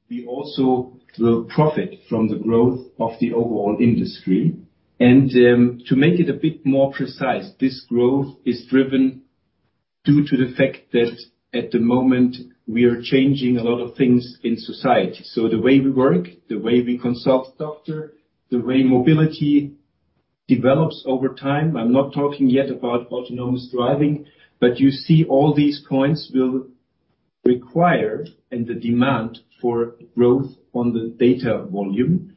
we also will profit from the growth of the overall industry. And, to make it a bit more precise, this growth is driven due to the fact that at the moment, we are changing a lot of things in society. So the way we work, the way we consult doctor, the way mobility develops over time. I'm not talking yet about autonomous driving, but you see all these points will require and the demand for growth on the data volume.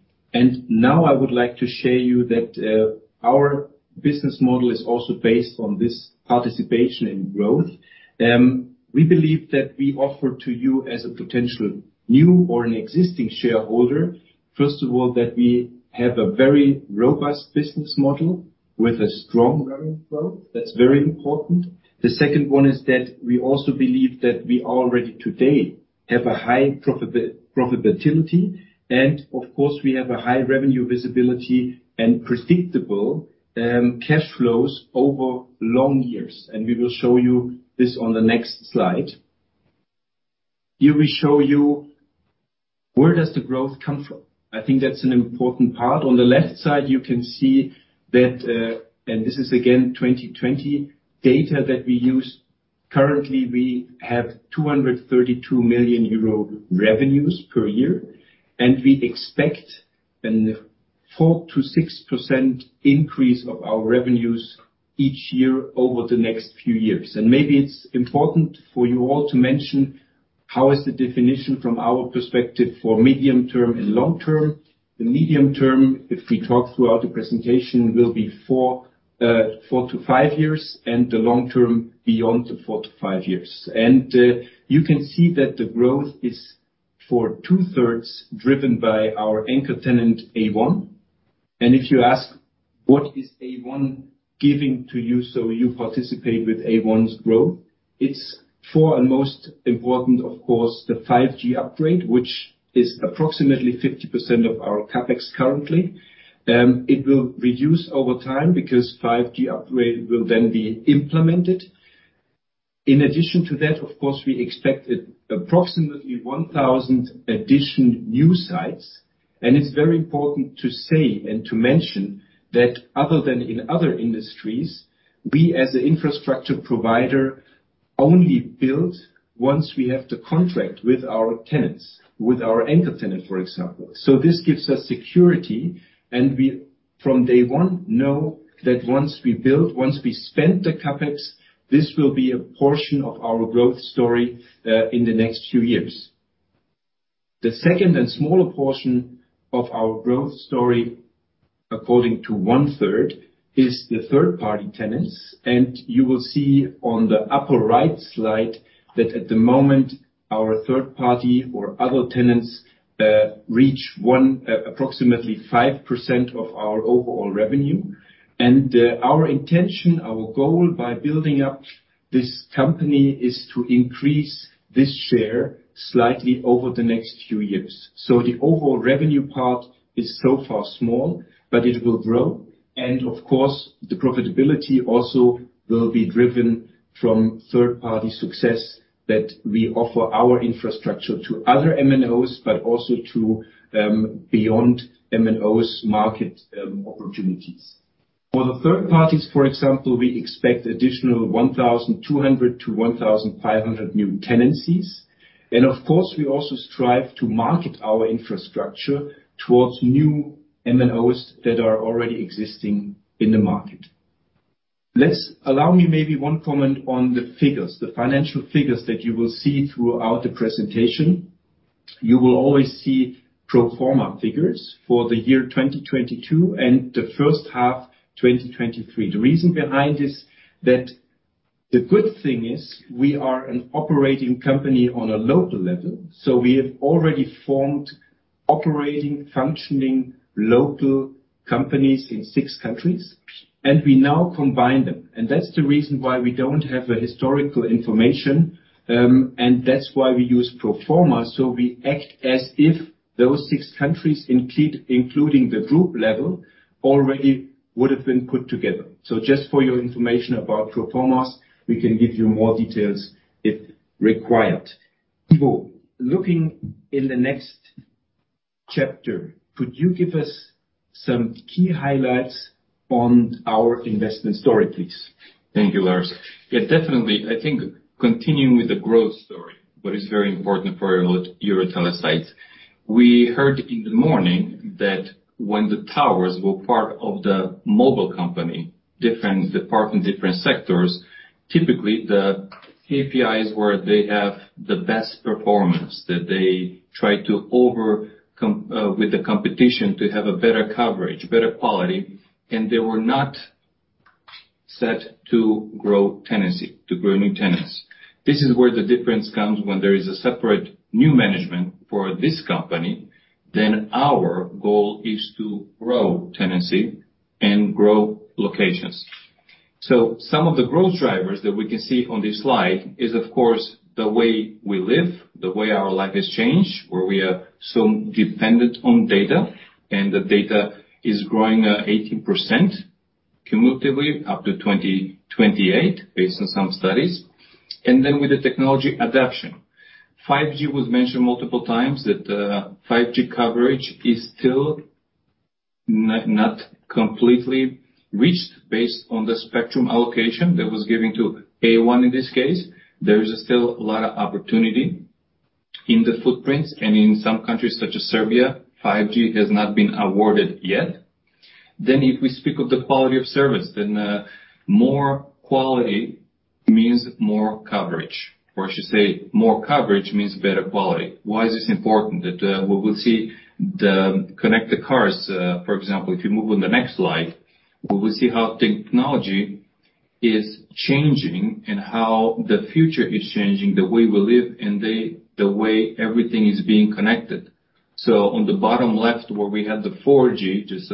Now I would like to show you that our business model is also based on this participation in growth. We believe that we offer to you as a potential new or an existing shareholder, first of all, that we have a very robust business model with a strong revenue growth. That's very important. The second one is that we also believe that we already today have a high profitability, and of course, we have a high revenue visibility and predictable cash flows over long years. We will show you this on the next slide. Here, we show you where does the growth come from? I think that's an important part. On the left side, you can see that, and this is again, 2020 data that we use. Currently, we have 232 million euro revenues per year, and we expect a 4%-6% increase of our revenues each year over the next few years. Maybe it's important for you all to mention, how is the definition from our perspective for medium term and long term? The medium term, if we talk throughout the presentation, will be 4-5 years, and the long term beyond the 4-5 years. You can see that the growth is for two-thirds driven by our anchor tenant, A1. And if you ask, "What is A1 giving to you so you participate with A1's growth?" It's for and most important, of course, the 5G upgrade, which is approximately 50% of our CapEx currently. It will reduce over time because 5G upgrade will then be implemented. In addition to that, of course, we expect approximately 1,000 additional new sites. And it's very important to say and to mention, that other than in other industries, we, as an infrastructure provider, only build once we have the contract with our tenants, with our anchor tenant, for example. So this gives us security, and we, from day one, know that once we build, once we spend the CapEx, this will be a portion of our growth story, in the next few years. The second and smaller portion of our growth story, according to 1/3, is the third-party tenants. And you will see on the upper right slide that at the moment, our third party or other tenants, reach approximately 5% of our overall revenue. Our intention, our goal by building up this company, is to increase this share slightly over the next few years. The overall revenue part is so far small, but it will grow. And of course, the profitability also will be driven from third-party success, that we offer our infrastructure to other MNOs, but also to beyond MNOs market opportunities. For the third parties, for example, we expect additional 1,200-1,500 new tenancies. And of course, we also strive to market our infrastructure towards new MNOs that are already existing in the market. Let’s allow me maybe one comment on the figures. The financial figures that you will see throughout the presentation. You will always see pro forma figures for the year 2022 and the first half, 2023. The reason behind this, that the good thing is we are an operating company on a local level, so we have already formed operating, functioning, local companies in six countries, and we now combine them. That's the reason why we don't have the historical information, and that's why we use pro forma. We act as if those six countries, including the group level, already would have been put together. Just for your information about pro formas, we can give you more details if required. Ivo, looking in the next chapter, could you give us some key highlights on our investment story, please? Thank you, Lars. Yeah, definitely. I think continuing with the growth story, what is very important for EuroTeleSites. We heard in the morning that when the towers were part of the mobile company, different department, different sectors, typically the KPIs where they have the best performance, that they try to with the competition, to have a better coverage, better quality, and they were not set to grow tenancy, to grow new tenants. This is where the difference comes when there is a separate new management for this company, then our goal is to grow tenancy and grow locations. So some of the growth drivers that we can see on this slide is, of course, the way we live, the way our life has changed, where we are so dependent on data, and the data is growing 80% cumulatively up to 2028, based on some studies. And then with the technology adoption. 5G was mentioned multiple times, that 5G coverage is still not completely reached based on the spectrum allocation that was given to A1 in this case. There is still a lot of opportunity in the footprints, and in some countries, such as Serbia, 5G has not been awarded yet. Then if we speak of the quality of service, then more quality means more coverage, or I should say, more coverage means better quality. Why is this important? That we will see the connected cars, for example, if you move on the next slide. We will see how technology is changing and how the future is changing, the way we live and the way everything is being connected. So on the bottom left, where we have the 4G, just,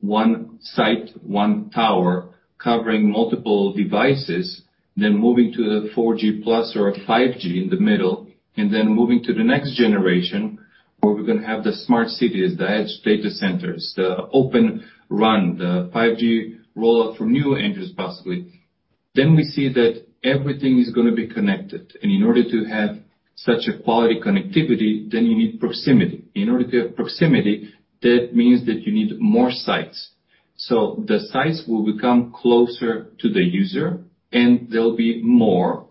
one site, one tower, covering multiple devices, then moving to the 4G plus or 5G in the middle, and then moving to the next generation, where we're going to have the smart cities, the edge data centers, the Open RAN, the 5G rollout from new entries, possibly. Then we see that everything is going to be connected, and in order to have such a quality connectivity, then you need proximity. In order to have proximity, that means that you need more sites. So the sites will become closer to the user, and they'll be more,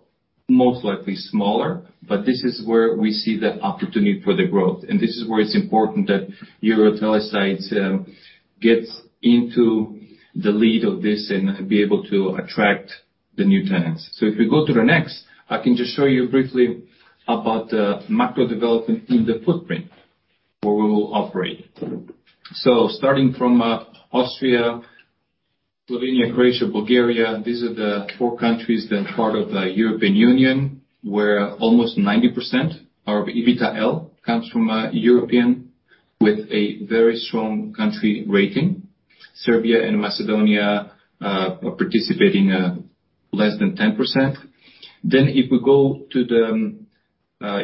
most likely smaller, but this is where we see the opportunity for the growth. And this is where it's important that EuroTeleSites gets into the lead of this and be able to attract the new tenants. So if we go to the next, I can just show you briefly about the macro development in the footprint where we will operate. So starting from Slovenia, Croatia, Bulgaria, these are the four countries that are part of the European Union, where almost 90% of EBITDAaL comes from, European, with a very strong country rating. Serbia and Macedonia are participating less than 10%. Then if we go to the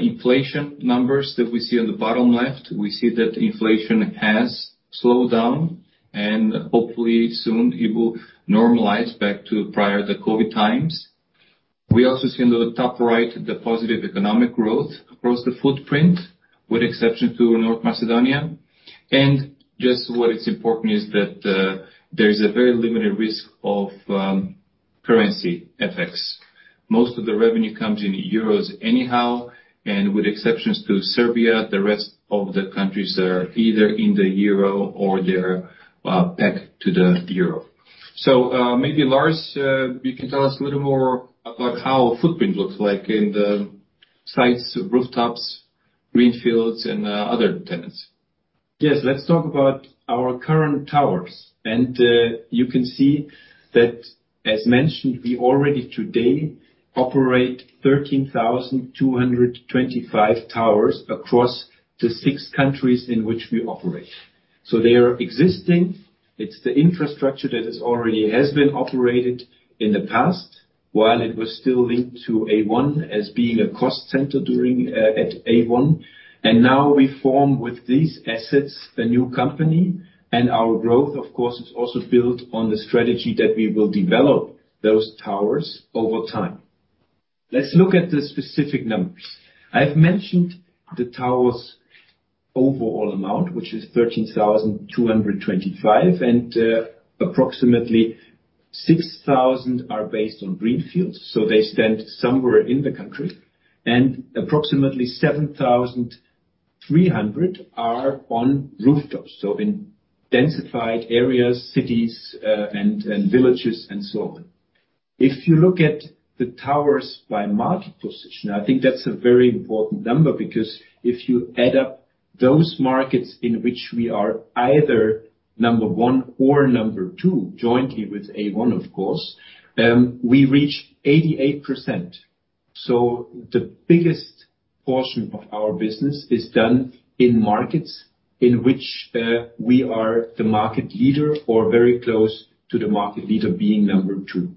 inflation numbers that we see on the bottom left, we see that inflation has slowed down, and hopefully soon it will normalize back to prior the COVID times. We also see on the top right the positive economic growth across the footprint, with exception to North Macedonia. Just what is important is that there is a very limited risk of currency effects. Most of the revenue comes in euros anyhow, and with exceptions to Serbia, the rest of the countries are either in the euro or they're pegged to the euro. So, maybe, Lars, you can tell us a little more about how footprint looks like in the sites, rooftops, greenfields, and other tenants. Yes. Let's talk about our current towers. You can see that, as mentioned, we already today operate 13,225 towers across the six countries in which we operate. They are existing. It's the infrastructure that already has been operated in the past, while it was still linked to A1 as being a cost center during at A1. Now we form, with these assets, a new company, and our growth, of course, is also built on the strategy that we will develop those towers over time. Let's look at the specific numbers. I've mentioned the towers' overall amount, which is 13,225, and, approximately 6,000 are based on greenfields, so they stand somewhere in the country, and approximately 7,300 are on rooftops, so in densified areas, cities, and villages and so on. If you look at the towers by market position, I think that's a very important number, because if you add up those markets in which we are either number one or number two, jointly with A1, of course, we reach 88%. So the biggest portion of our business is done in markets in which, we are the market leader or very close to the market leader, being number two.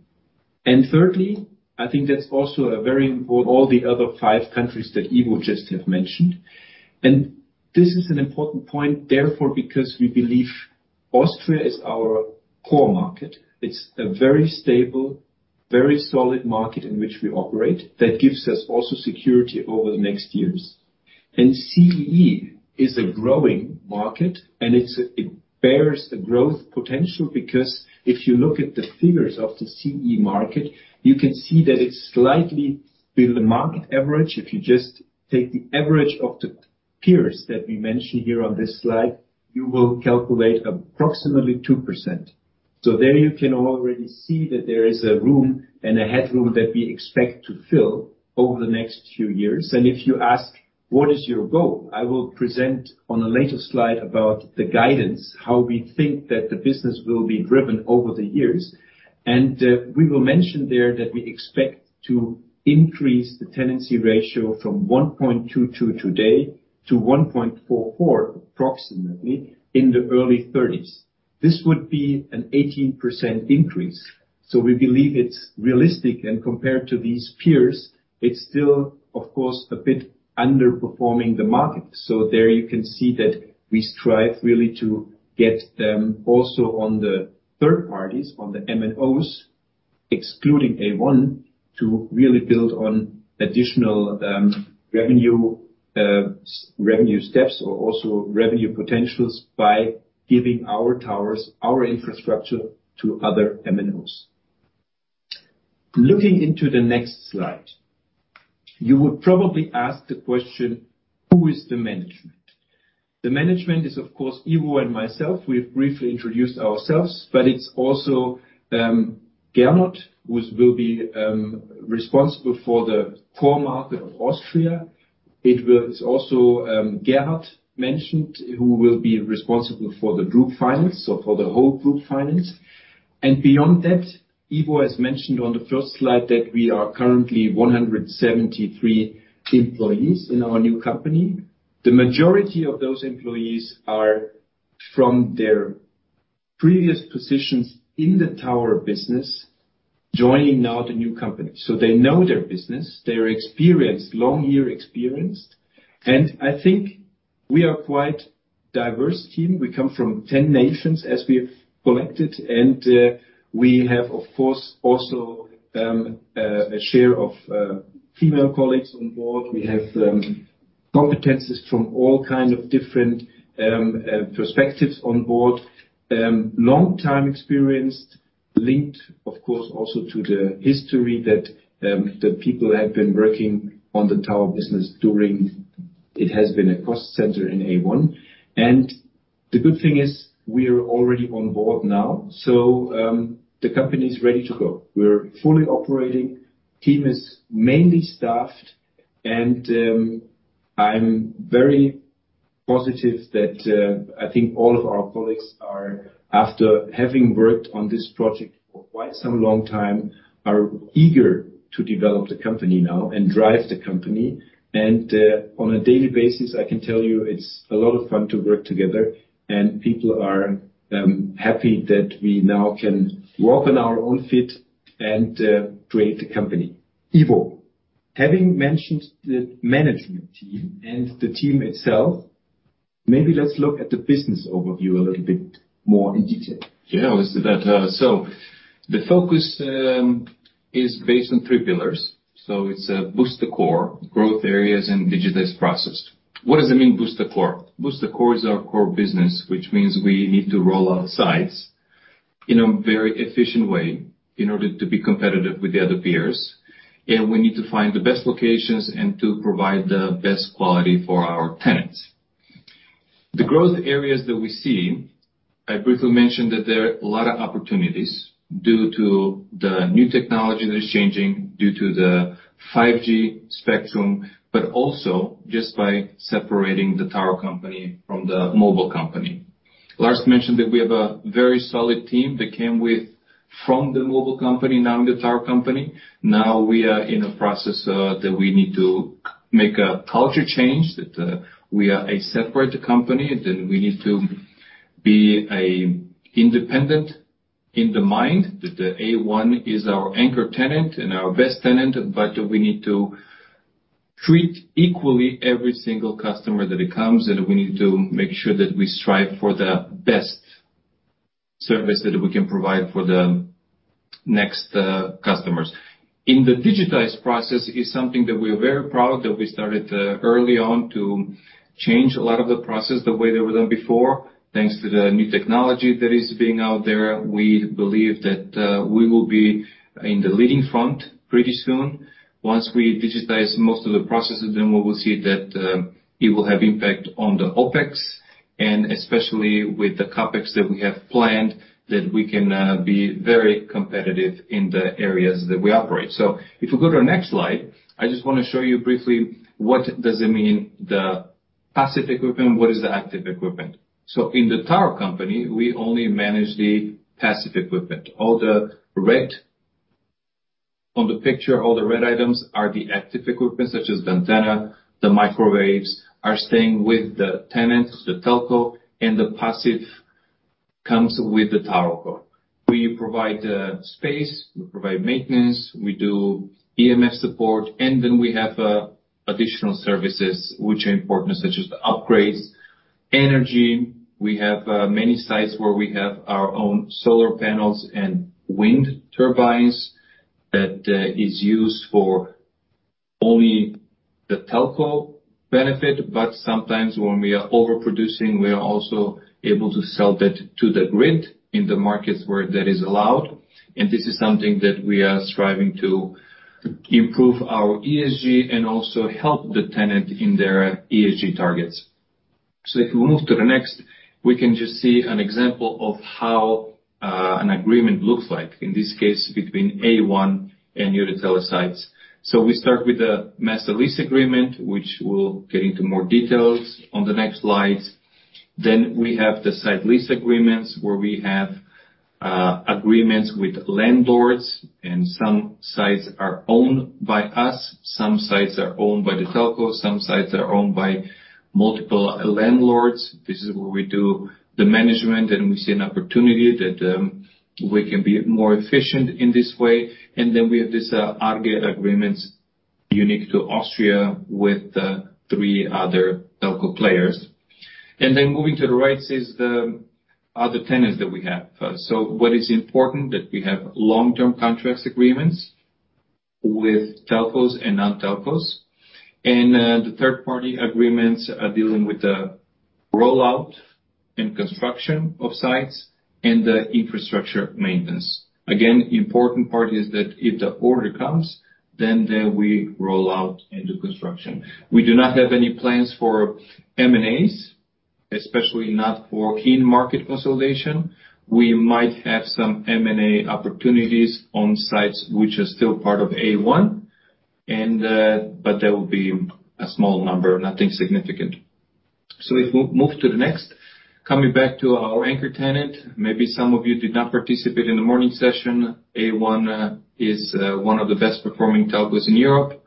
And thirdly, I think that's also a very important all the other five countries that Ivo just have mentioned. This is an important point, therefore, because we believe Austria is our core market. It's a very stable, very solid market in which we operate, that gives us also security over the next years. And CEE is a growing market, and it bears a growth potential, because if you look at the figures of the CEE market, you can see that it's slightly below the market average. If you just take the average of the peers that we mention here on this slide, you will calculate approximately 2%. So there you can already see that there is a room and a headroom that we expect to fill over the next few years. And if you ask: What is your goal? I will present on a later slide about the guidance, how we think that the business will be driven over the years. We will mention there that we expect to increase the tenancy ratio from 1.22 today to 1.44, approximately, in the early 2030s. This would be an 18% increase, so we believe it's realistic, and compared to these peers, it's still, of course, a bit underperforming the market. There you can see that we strive really to get also on the third parties, on the MNOs, excluding A1, to really build on additional revenue steps or also revenue potentials by giving our towers, our infrastructure, to other MNOs. Looking into the next slide, you would probably ask the question: Who is the management? The management is, of course, Ivo and myself. We've briefly introduced ourselves, but it's also Gernot, who will be responsible for the core market of Austria. It's also, Gerhard Menches, who will be responsible for the group finance, so for the whole group finance. And beyond that, Ivo has mentioned on the first slide that we are currently 173 employees in our new company. The majority of those employees are from their previous positions in the tower business, joining now the new company. So they know their business. They're experienced, long-year experienced. And I think we are quite diverse team. We come from 10 nations, as we have collected, and we have, of course, also a share of female colleagues on board. We have competencies from all kind of different perspectives on board. Long-time experienced, linked, of course, also to the history that the people have been working on the tower business during... It has been a cost center in A1. The good thing is we are already on board now, so, the company is ready to go. We're fully operating. Team is mainly staffed, and, I'm very positive that, I think all of our colleagues are, after having worked on this project for quite some long time, are eager to develop the company now and drive the company. On a daily basis, I can tell you it's a lot of fun to work together, and people are, happy that we now can walk on our own feet and, create the company. Ivo, having mentioned the management team and the team itself, maybe let's look at the business overview a little bit more in detail. Yeah, let's do that. So the focus is based on three pillars. So it's boost the core, growth areas, and digitize process. What does it mean, boost the core? Boost the core is our core business, which means we need to roll out sites in a very efficient way in order to be competitive with the other peers, and we need to find the best locations and to provide the best quality for our tenants. The growth areas that we see, I briefly mentioned that there are a lot of opportunities due to the new technology that is changing, due to the 5G spectrum, but also just by separating the tower company from the mobile company. Lars mentioned that we have a very solid team that came from the mobile company, now in the tower company. Now, we are in a process that we need to make a culture change, that we are a separate company, that we need to be an independent in the mind, that the A1 is our anchor tenant and our best tenant, but we need to treat equally every single customer that comes, and we need to make sure that we strive for the best service that we can provide for the next customers. In the digitized process is something that we are very proud that we started early on to change a lot of the process the way they were done before. Thanks to the new technology that is being out there, we believe that we will be in the leading front pretty soon. Once we digitize most of the processes, then we will see that it will have impact on the OpEx, and especially with the CapEx that we have planned, that we can be very competitive in the areas that we operate. So if you go to the next slide, I just want to show you briefly what does it mean, the passive equipment, what is the active equipment? So in the tower company, we only manage the passive equipment. All the red on the picture, all the red items are the active equipment, such as the antenna, the microwaves, are staying with the tenants, the telco, and the passive comes with the tower co. We provide space, we provide maintenance, we do EMF support, and then we have additional services which are important, such as the upgrades, energy. We have many sites where we have our own solar panels and wind turbines that is used for only the telco benefit, but sometimes when we are overproducing, we are also able to sell that to the grid in the markets where that is allowed. And this is something that we are striving to improve our ESG and also help the tenant in their ESG targets. So if we move to the next, we can just see an example of how an agreement looks like, in this case, between A1 and EuroTeleSites. So we start with the Master Lease Agreement, which we'll get into more details on the next slide. Then we have the site lease agreements, where we have agreements with landlords, and some sites are owned by us, some sites are owned by the telco, some sites are owned by multiple landlords. This is where we do the management, and we see an opportunity that we can be more efficient in this way. And then we have this antenna agreements unique to Austria with the three other telco players. And then moving to the right is the other tenants that we have. So what is important, that we have long-term contract agreements with telcos and non-telcos, and the third-party agreements are dealing with the rollout and construction of sites and the infrastructure maintenance. Again, the important part is that if the order comes, then we roll out into construction. We do not have any plans for M&As, especially not for key market consolidation. We might have some M&A opportunities on sites which are still part of A1 and but that will be a small number, nothing significant. So if we move to the next. Coming back to our anchor tenant, maybe some of you did not participate in the morning session. A1 is one of the best performing telcos in Europe,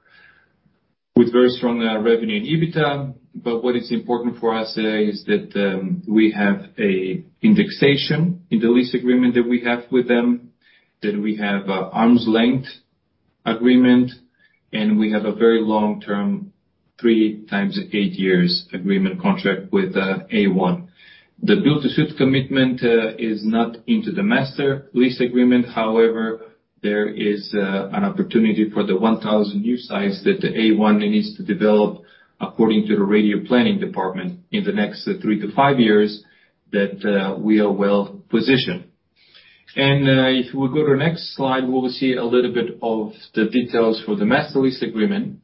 with very strong revenue in EBITDA. But what is important for us is that we have a indexation in the lease agreement that we have with them, that we have a arm's length agreement, and we have a very long-term, 3 x 8 years agreement contract with A1. The Build-to-suit commitment is not into the Master Lease Agreement. However, there is an opportunity for the 1,000 new sites that the A1 needs to develop according to the radio planning department in the next 3-5 years, that we are well-positioned. If we go to the next slide, we will see a little bit of the details for the master lease agreement.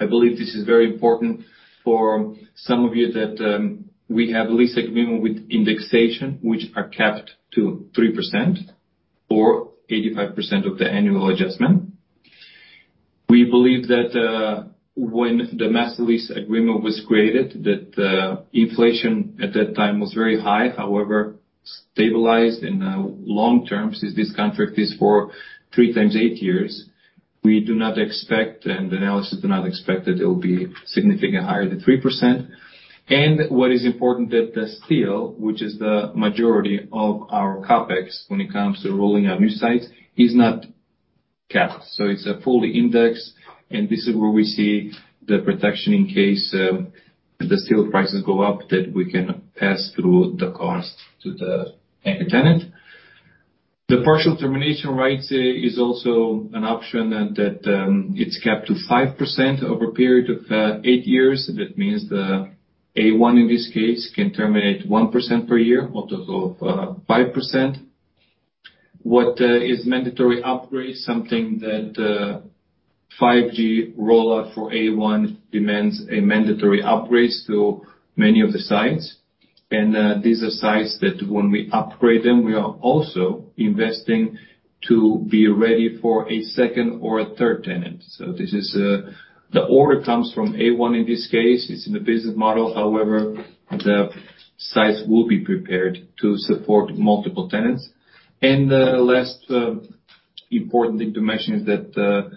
I believe this is very important for some of you that we have lease agreement with indexation, which are capped to 3% or 85% of the annual adjustment. We believe that when the master lease agreement was created, that inflation at that time was very high, however, stabilized in the long term, since this contract is for 3 x 8 years. We do not expect, and analysts do not expect, that it will be significantly higher than 3%. And what is important that the steel, which is the majority of our CapEx when it comes to rolling out new sites, is not capped. So it's a fully indexed, and this is where we see the protection in case the steel prices go up, that we can pass through the cost to the anchor tenant. The partial termination rights is also an option, and that it's capped to 5% over a period of 8 years. That means the A1, in this case, can terminate 1% per year up to 5%. What is mandatory upgrade, something that 5G rollout for A1 demands a mandatory upgrade to many of the sites. And these are sites that when we upgrade them, we are also investing to be ready for a second or a third tenant. So this is the order comes from A1, in this case, it's in the business model, however, the sites will be prepared to support multiple tenants. And the last important thing to mention is that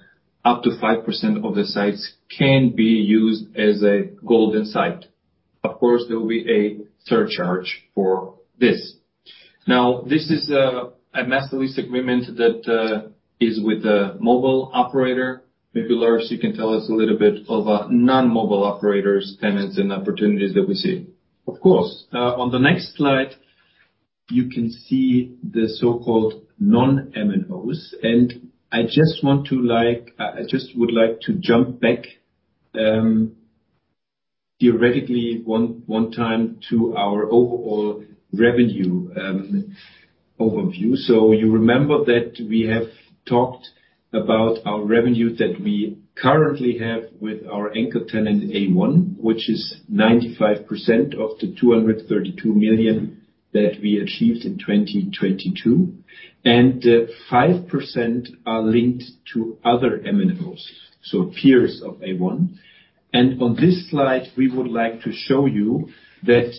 up to 5% of the sites can be used as a golden site. Of course, there will be a surcharge for this. Now, this is a master lease agreement that is with a mobile operator. Maybe, Lars, you can tell us a little bit about non-mobile operators, tenants, and opportunities that we see. Of course. On the next slide, you can see the so-called non-MNOs, and I just would like to jump back, theoretically, one time to our overall revenue overview. So you remember that we have talked about our revenue that we currently have with our anchor tenant, A1, which is 95% of the 232 million that we achieved in 2022, and five percent are linked to other MNOs, so peers of A1. And on this slide, we would like to show you that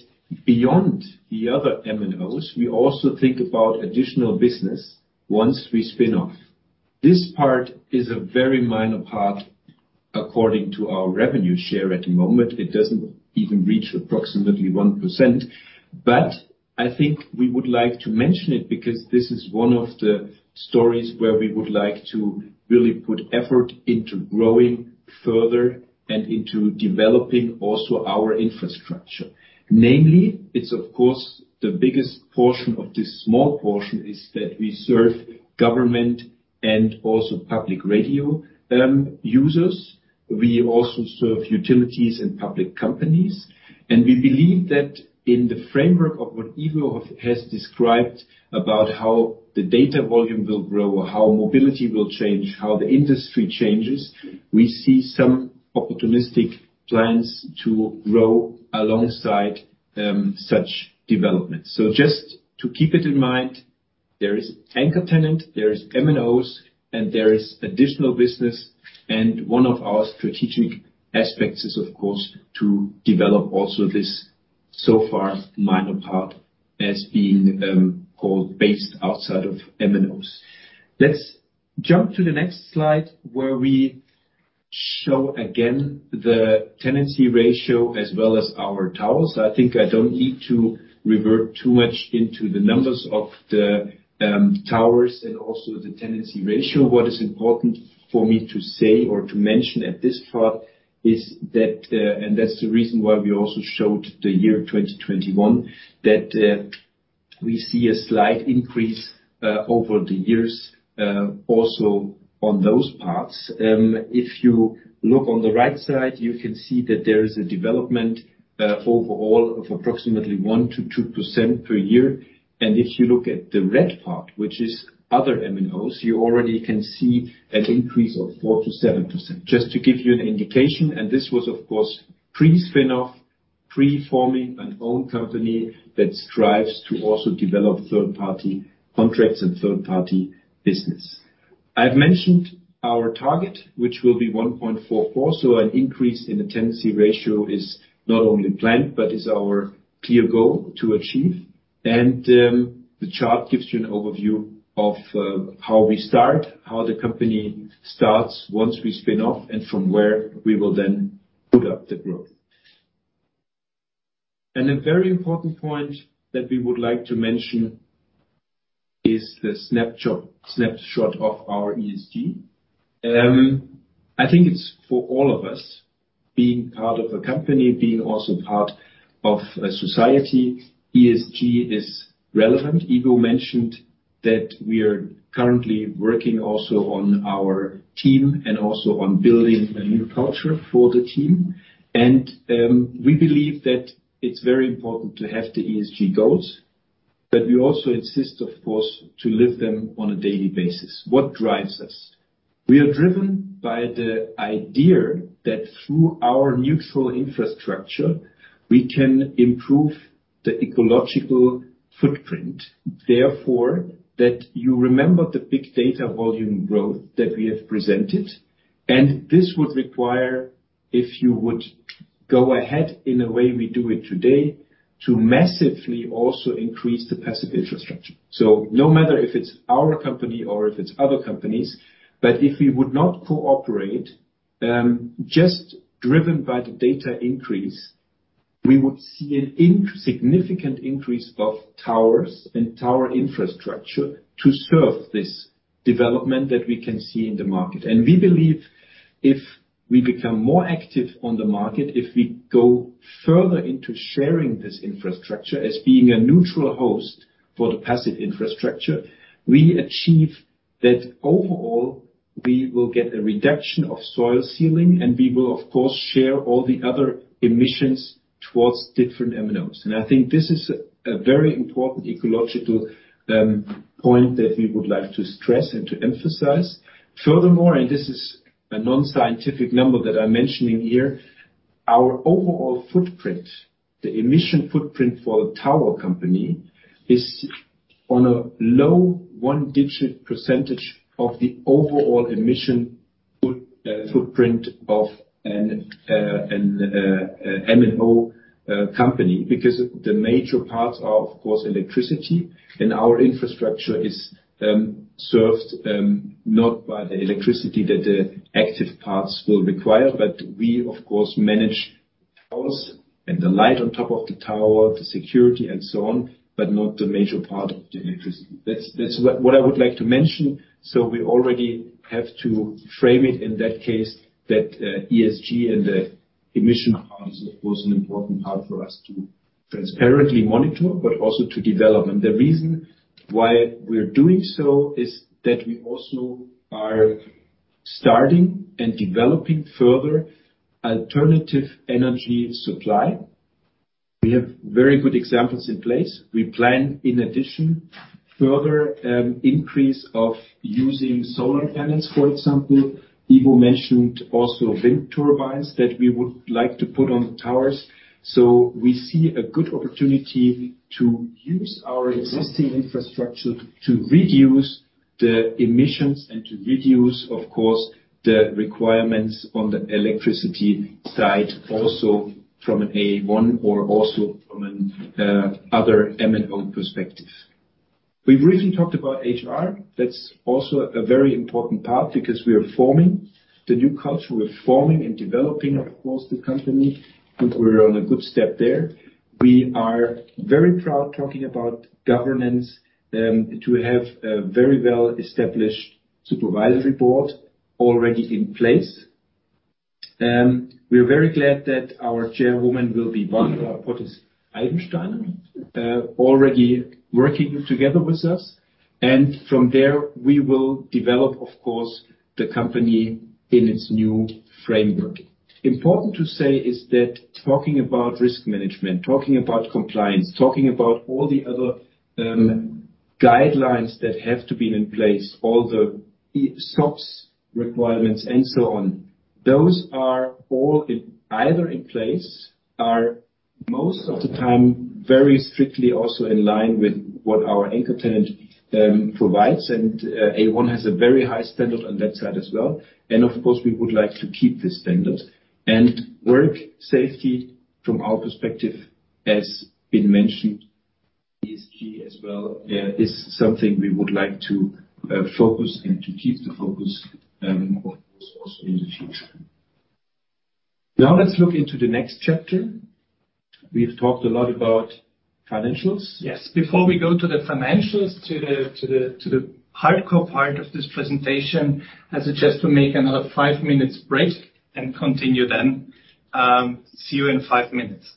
beyond the other MNOs, we also think about additional business once we spin off. This part is a very minor part according to our revenue share at the moment. It doesn't even reach approximately 1%, but I think we would like to mention it, because this is one of the stories where we would like to really put effort into growing further and into developing also our infrastructure. Namely, it's of course, the biggest portion of this small portion is that we serve government and also public radio users. We also serve utilities and public companies. We believe that in the framework of what Ivo has described about how the data volume will grow, or how mobility will change, how the industry changes, we see some opportunistic plans to grow alongside such developments. So just to keep it in mind, there is anchor tenant, there is MNOs, and there is additional business, and one of our strategic aspects is, of course, to develop also this so far minor part as being called based outside of MNOs. Let's jump to the next slide, where we show again the tenancy ratio as well as our towers. I think I don't need to revert too much into the numbers of the towers and also the tenancy ratio. What is important for me to say or to mention at this part is that and that's the reason why we also showed the year 2021, that we see a slight increase over the years also on those parts. If you look on the right side, you can see that there is a development overall of approximately 1%-2% per year. And if you look at the red part, which is other MNOs, you already can see an increase of 4%-7%. Just to give you an indication, and this was, of course, pre-spin-off, pre-forming an own company that strives to also develop third-party contracts and third-party business. I've mentioned our target, which will be 1.44, so an increase in the tenancy ratio is not only planned, but is our clear goal to achieve. And the chart gives you an overview of how we start, how the company starts once we spin off, and from where we will then build up the growth. A very important point that we would like to mention is the snapshot of our ESG. I think it's for all of us, being part of a company, being also part of a society, ESG is relevant. Ivo mentioned that we are currently working also on our team and also on building a new culture for the team. We believe that it's very important to have the ESG goals, but we also insist, of course, to live them on a daily basis. What drives us? We are driven by the idea that through our mutual infrastructure, we can improve the ecological footprint. Therefore, that you remember the big data volume growth that we have presented, and this would require, if you would go ahead in a way we do it today, to massively also increase the passive infrastructure. So no matter if it's our company or if it's other companies, but if we would not cooperate, just driven by the data increase, we would see an insignificant increase of towers and tower infrastructure to serve this development that we can see in the market. We believe if we become more active on the market, if we go further into sharing this infrastructure as being a neutral host for the passive infrastructure, we achieve that overall, we will get a reduction of soil sealing, and we will, of course, share all the other emissions towards different MNOs. I think this is a very important ecological point that we would like to stress and to emphasize. Furthermore, this is a non-scientific number that I'm mentioning here, our overall footprint, the emission footprint for a tower company, is on a low one-digit percentage of the overall emission footprint of an MNO company. Because the major parts are, of course, electricity, and our infrastructure is served not by the electricity that the active parts will require, but we of course manage towers and the light on top of the tower, the security and so on, but not the major part of the electricity. That's what I would like to mention. So we already have to frame it in that case, that ESG and the emission part is, of course, an important part for us to transparently monitor, but also to develop. The reason why we're doing so is that we also are starting and developing further alternative energy supply. We have very good examples in place. We plan, in addition, further increase of using solar panels, for example. Ivo mentioned also wind turbines that we would like to put on the towers. So we see a good opportunity to use our existing infrastructure to reduce the emissions and to reduce, of course, the requirements on the electricity side, also from an A1 or also from an other MNO perspective. We've recently talked about HR. That's also a very important part because we are forming the new culture. We're forming and developing, of course, the company, and we're on a good step there. We are very proud talking about governance to have a very well-established supervisory board already in place. We are very glad that our chairwoman will be Barbara Potisk-Eibensteiner, already working together with us, and from there, we will develop, of course, the company in its new framework. Important to say is that talking about risk management, talking about compliance, talking about all the other, guidelines that have to be in place, all the SOPs requirements and so on, those are all in, either in place, are most of the time, very strictly also in line with what our anchor tenant provides. A1 has a very high standard on that side as well. Of course, we would like to keep this standard. Work safety from our perspective, as been mentioned, ESG as well, is something we would like to focus and to keep the focus on also in the future. Now let's look into the next chapter. We've talked a lot about financials. Yes. Before we go to the financials, to the hardcore part of this presentation, I suggest to make another five minutes break and continue then. See you in five minutes.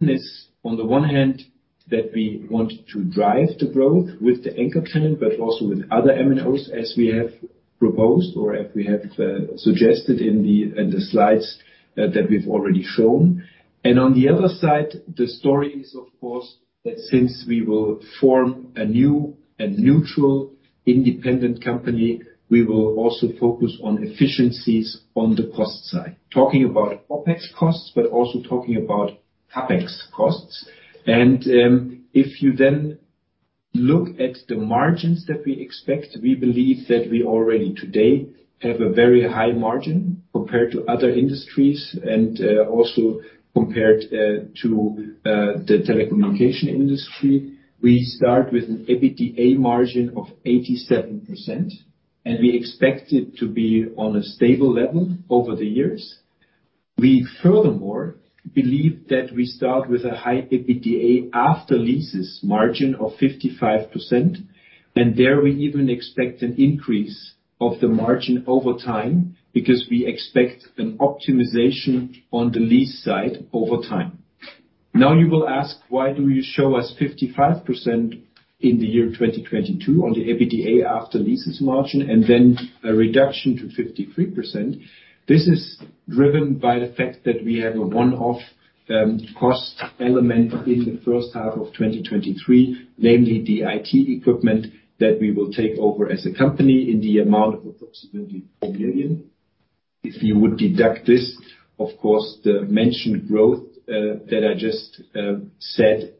This, on the one hand, that we want to drive the growth with the anchor tenant, but also with other MNOs, as we have proposed or as we have suggested in the slides that we've already shown. And on the other side, the story is, of course, that since we will form a new and neutral, independent company, we will also focus on efficiencies on the cost side. Talking about OpEx costs, but also talking about CapEx costs. And if you then look at the margins that we expect, we believe that we already today have a very high margin compared to other industries and also compared to the telecommunication industry. We start with an EBITDA margin of 87%, and we expect it to be on a stable level over the years. We furthermore believe that we start with a high EBITDA after leases margin of 55%, and there we even expect an increase of the margin over time, because we expect an optimization on the lease side over time. Now, you will ask, "Why do you show us 55% in the year 2022 on the EBITDA after leases margin, and then a reduction to 53%?" This is driven by the fact that we have a one-off cost element in the first half of 2023, namely the IT equipment that we will take over as a company in the amount of approximately 4 million. If you would deduct this, of course, the mentioned growth that I just said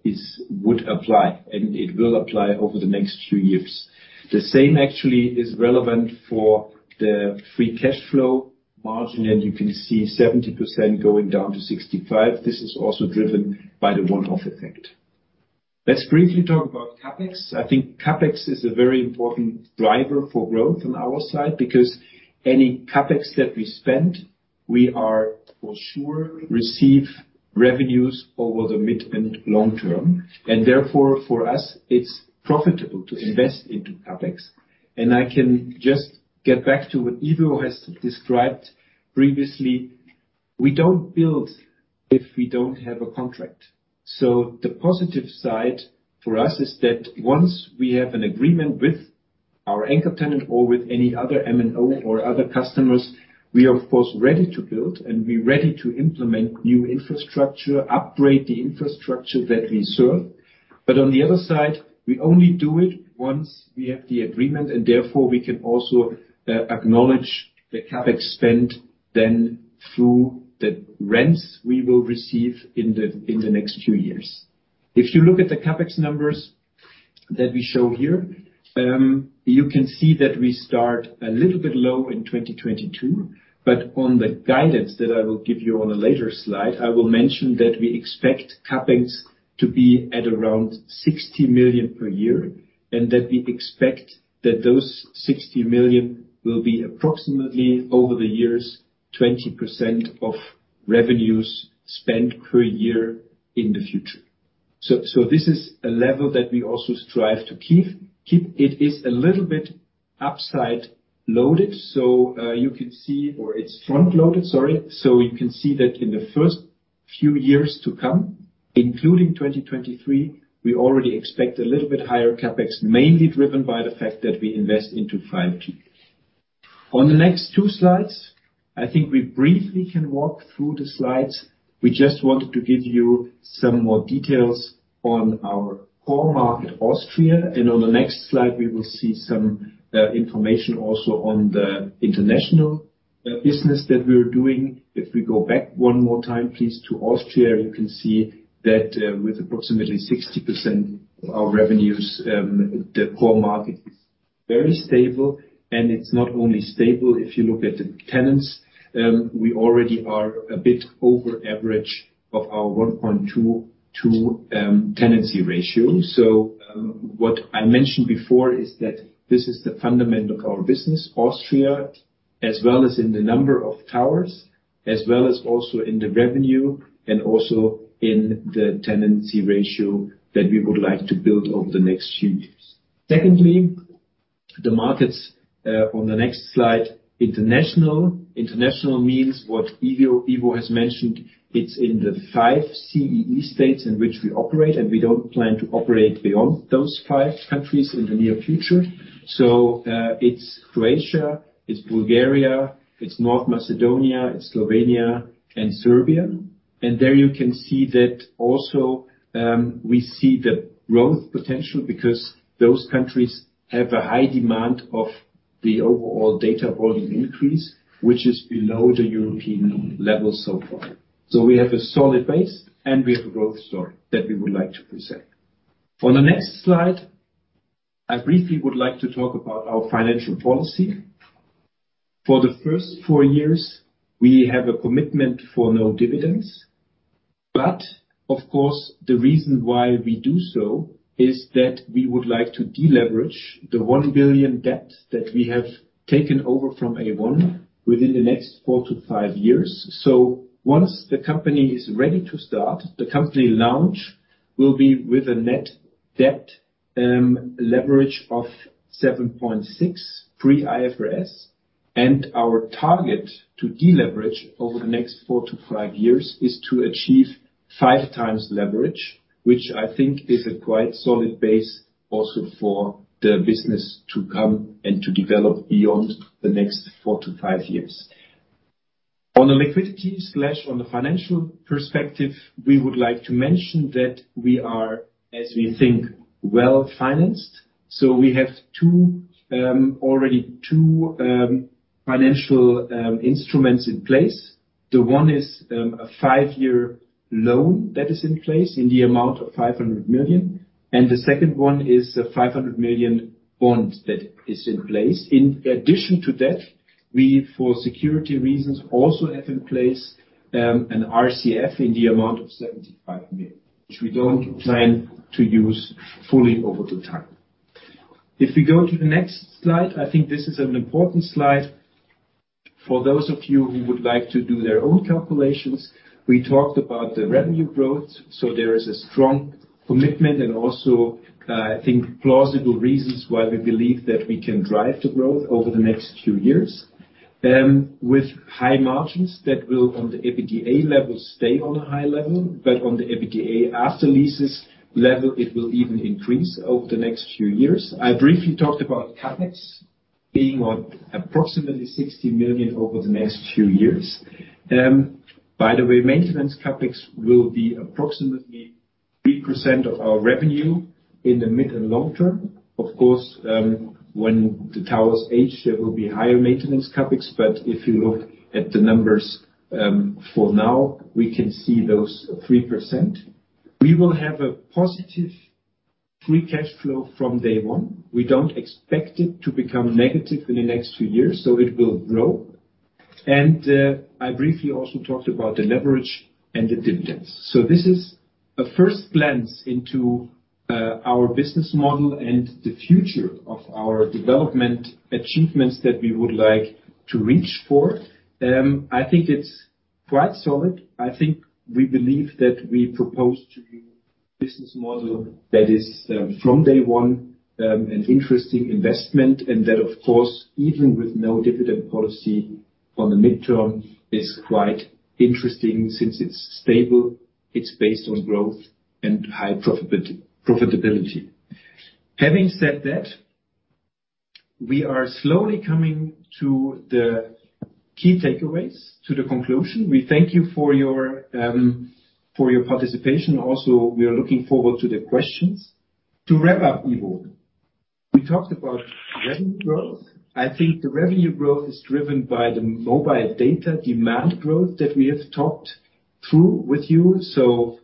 would apply, and it will apply over the next two years. The same actually is relevant for the free cash flow margin, and you can see 70% going down to 65%. This is also driven by the one-off effect. Let's briefly talk about CapEx. I think CapEx is a very important driver for growth on our side, because any CapEx that we spend, we are for sure receive revenues over the mid and long term, and therefore, for us, it's profitable to invest into CapEx. And I can just get back to what Ivo has described previously. We don't build if we don't have a contract. So the positive side for us is that once we have an agreement with our anchor tenant or with any other MNO or other customers, we are, of course, ready to build, and we're ready to implement new infrastructure, upgrade the infrastructure that we serve. But on the other side, we only do it once we have the agreement, and therefore, we can also acknowledge the CapEx spend then through the rents we will receive in the next few years. If you look at the CapEx numbers that we show here, you can see that we start a little bit low in 2022, but on the guidance that I will give you on a later slide, I will mention that we expect CapEx to be at around 60 million per year, and that we expect that those 60 million will be approximately, over the years, 20% of revenues spent per year in the future. So this is a level that we also strive to keep. It is a little bit upside loaded, so you can see or it's front-loaded, sorry. So you can see that in the first few years to come, including 2023, we already expect a little bit higher CapEx, mainly driven by the fact that we invest into 5G. On the next two slides, I think we briefly can walk through the slides. We just wanted to give you some more details on our core market, Austria, and on the next slide, we will see some information also on the international business that we are doing. If we go back one more time, please, to Austria, you can see that with approximately 60% of our revenues, the core market is very stable, and it's not only stable. If you look at the tenants, we already are a bit over average of our 1.22 tenancy ratio. So, what I mentioned before is that this is the foundation of our business, Austria, as well as in the number of towers, as well as also in the revenue, and also in the tenancy ratio that we would like to build over the next few years. Secondly, the markets, on the next slide, international. International means what Ivo has mentioned. It's in the five CEE states in which we operate, and we don't plan to operate beyond those five countries in the near future. So, it's Croatia, it's Bulgaria, it's North Macedonia, it's Slovenia, and Serbia. And there you can see that also, we see the growth potential, because those countries have a high demand of the overall data volume increase, which is below the European level so far. So we have a solid base, and we have a growth story that we would like to present. On the next slide, I briefly would like to talk about our financial policy. For the first 4 years, we have a commitment for no dividends, but of course, the reason why we do so is that we would like to deleverage the 1 billion debt that we have taken over from A1 within the next 4-5 years. So once the company is ready to start, the company launch will be with a net debt leverage of 7.6, pre-IFRS. And our target to deleverage over the next 4-5 years is to achieve 5x leverage, which I think is a quite solid base also for the business to come and to develop beyond the next 4-5 years. On the liquidity, on the financial perspective, we would like to mention that we are, as we think, well-financed. So we have already two financial instruments in place. The one is a five-year loan that is in place in the amount of 500 million, and the second one is a 500 million bond that is in place. In addition to that, we, for security reasons, also have in place an RCF in the amount of 75 million, which we don't plan to use fully over the time. If we go to the next slide, I think this is an important slide for those of you who would like to do their own calculations. We talked about the revenue growth, so there is a strong commitment, and also, I think plausible reasons why we believe that we can drive the growth over the next few years. With high margins, that will, on the EBITDA level, stay on a high level, but on the EBITDA after leases level, it will even increase over the next few years. I briefly talked about CapEx being on approximately 60 million over the next few years. By the way, maintenance CapEx will be approximately 3% of our revenue in the mid and long term. Of course, when the towers age, there will be higher maintenance CapEx, but if you look at the numbers, for now, we can see those 3%. We will have a positive free cash flow from day one. We don't expect it to become negative in the next few years, so it will grow. I briefly also talked about the leverage and the dividends. This is a first glance into our business model and the future of our development achievements that we would like to reach for. I think it's quite solid. I think we believe that we propose to you a business model that is from day one an interesting investment, and that, of course, even with no dividend policy on the midterm, is quite interesting since it's stable, it's based on growth and high profitability. Having said that, we are slowly coming to the key takeaways, to the conclusion. We thank you for your for your participation. Also, we are looking forward to the questions. To wrap up, Ivo, we talked about revenue growth. I think the revenue growth is driven by the mobile data demand growth that we have talked through with you. So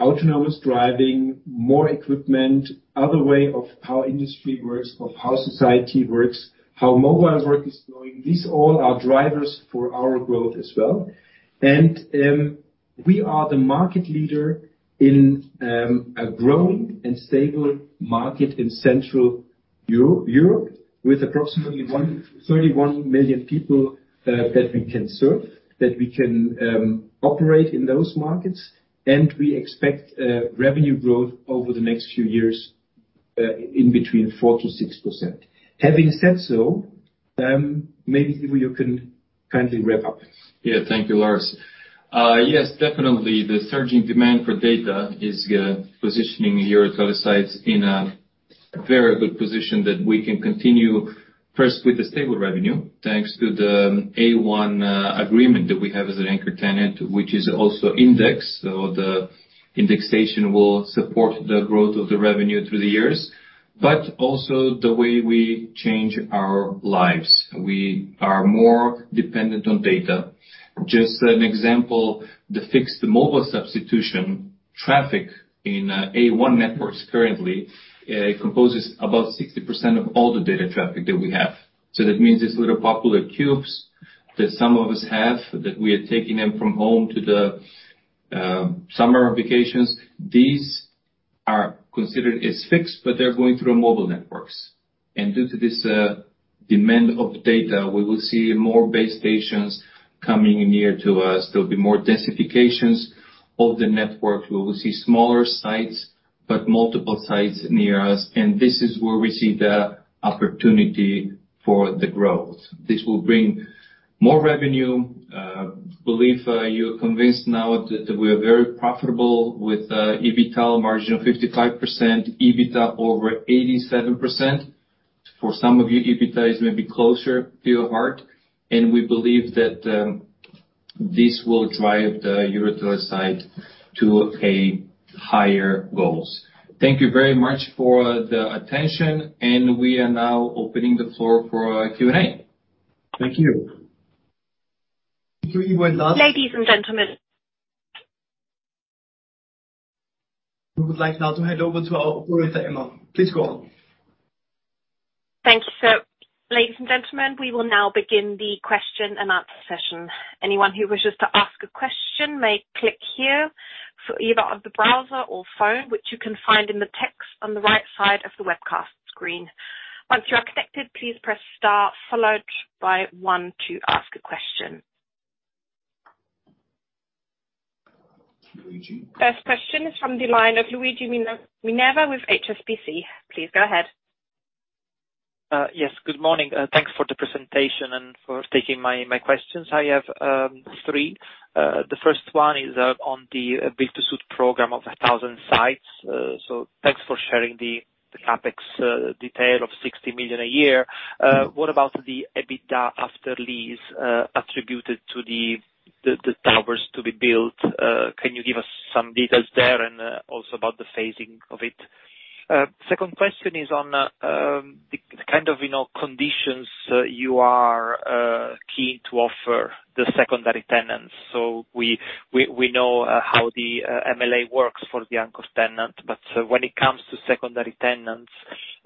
autonomous driving, more equipment, other way of how industry works, of how society works, how mobile work is going, these all are drivers for our growth as well. And we are the market leader in a growing and stable market in Central Europe, with approximately 31 million people that we can serve, that we can operate in those markets. And we expect revenue growth over the next few years in between 4%-6%. Having said so, maybe, Ivo, you can kindly wrap up. Yeah. Thank you, Lars. Yes, definitely, the surging demand for data is positioning EuroTeleSites in a very good position that we can continue, first, with a stable revenue, thanks to the A1 agreement that we have as an anchor tenant, which is also indexed. So the indexation will support the growth of the revenue through the years, but also the way we change our lives. We are more dependent on data. Just an example, the fixed-to-mobile substitution traffic in A1 networks currently composes about 60% of all the data traffic that we have. So that means these little popular cubes that some of us have, that we are taking them from home to the summer vacations, these are considered as fixed, but they're going through mobile networks. Due to this demand of data, we will see more base stations coming near to us. There'll be more densifications of the network. We will see smaller sites, but multiple sites near us, and this is where we see the opportunity for the growth. This will bring more revenue. Believe you're convinced now that we are very profitable with EBITDA margin of 55%, EBITDA over 87%. For some of you, EBITDA is maybe closer to your heart, and we believe that this will drive the EuroTeleSites to a higher goals. Thank you very much for the attention, and we are now opening the floor for Q&A. Thank you. Ladies and gentlemen- We would like now to hand over to our operator, Emma. Please go on. Thank you, sir. Ladies and gentlemen, we will now begin the question-and-answer session. Anyone who wishes to ask a question may click here for either on the browser or phone, which you can find in the text on the right side of the webcast screen. Once you are connected, please press star, followed by one to ask a question. Luigi. First question is from the line of Luigi Minerva with HSBC. Please go ahead. Yes. Good morning. Thanks for the presentation and for taking my questions. I have three. The first one is on the build-to-suit program of 1,000 sites. So thanks for sharing the CapEx detail of 60 million a year. What about the EBITDA after lease attributed to the towers to be built? Can you give us some details there, and also about the phasing of it? Second question is on the kind of, you know, conditions you are keen to offer the secondary tenants. So we know how the MLA works for the anchor tenant, but when it comes to secondary tenants,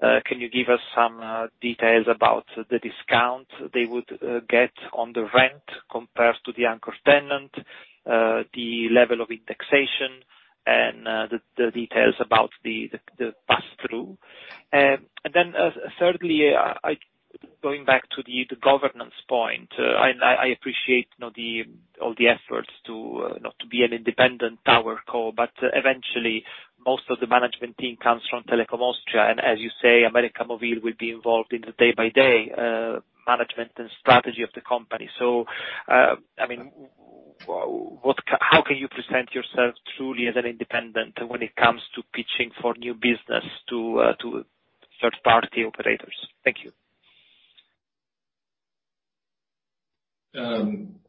can you give us some details about the discount they would get on the rent compared to the anchor tenant, the level of indexation? ... and the pass through. And then, thirdly, going back to the governance point, I appreciate, you know, all the efforts to not to be an independent tower co, but eventually, most of the management team comes from Telekom Austria. And as you say, América Móvil will be involved in the day-by-day management and strategy of the company. So, I mean, what-- how can you present yourself truly as an independent when it comes to pitching for new business to third-party operators? Thank you.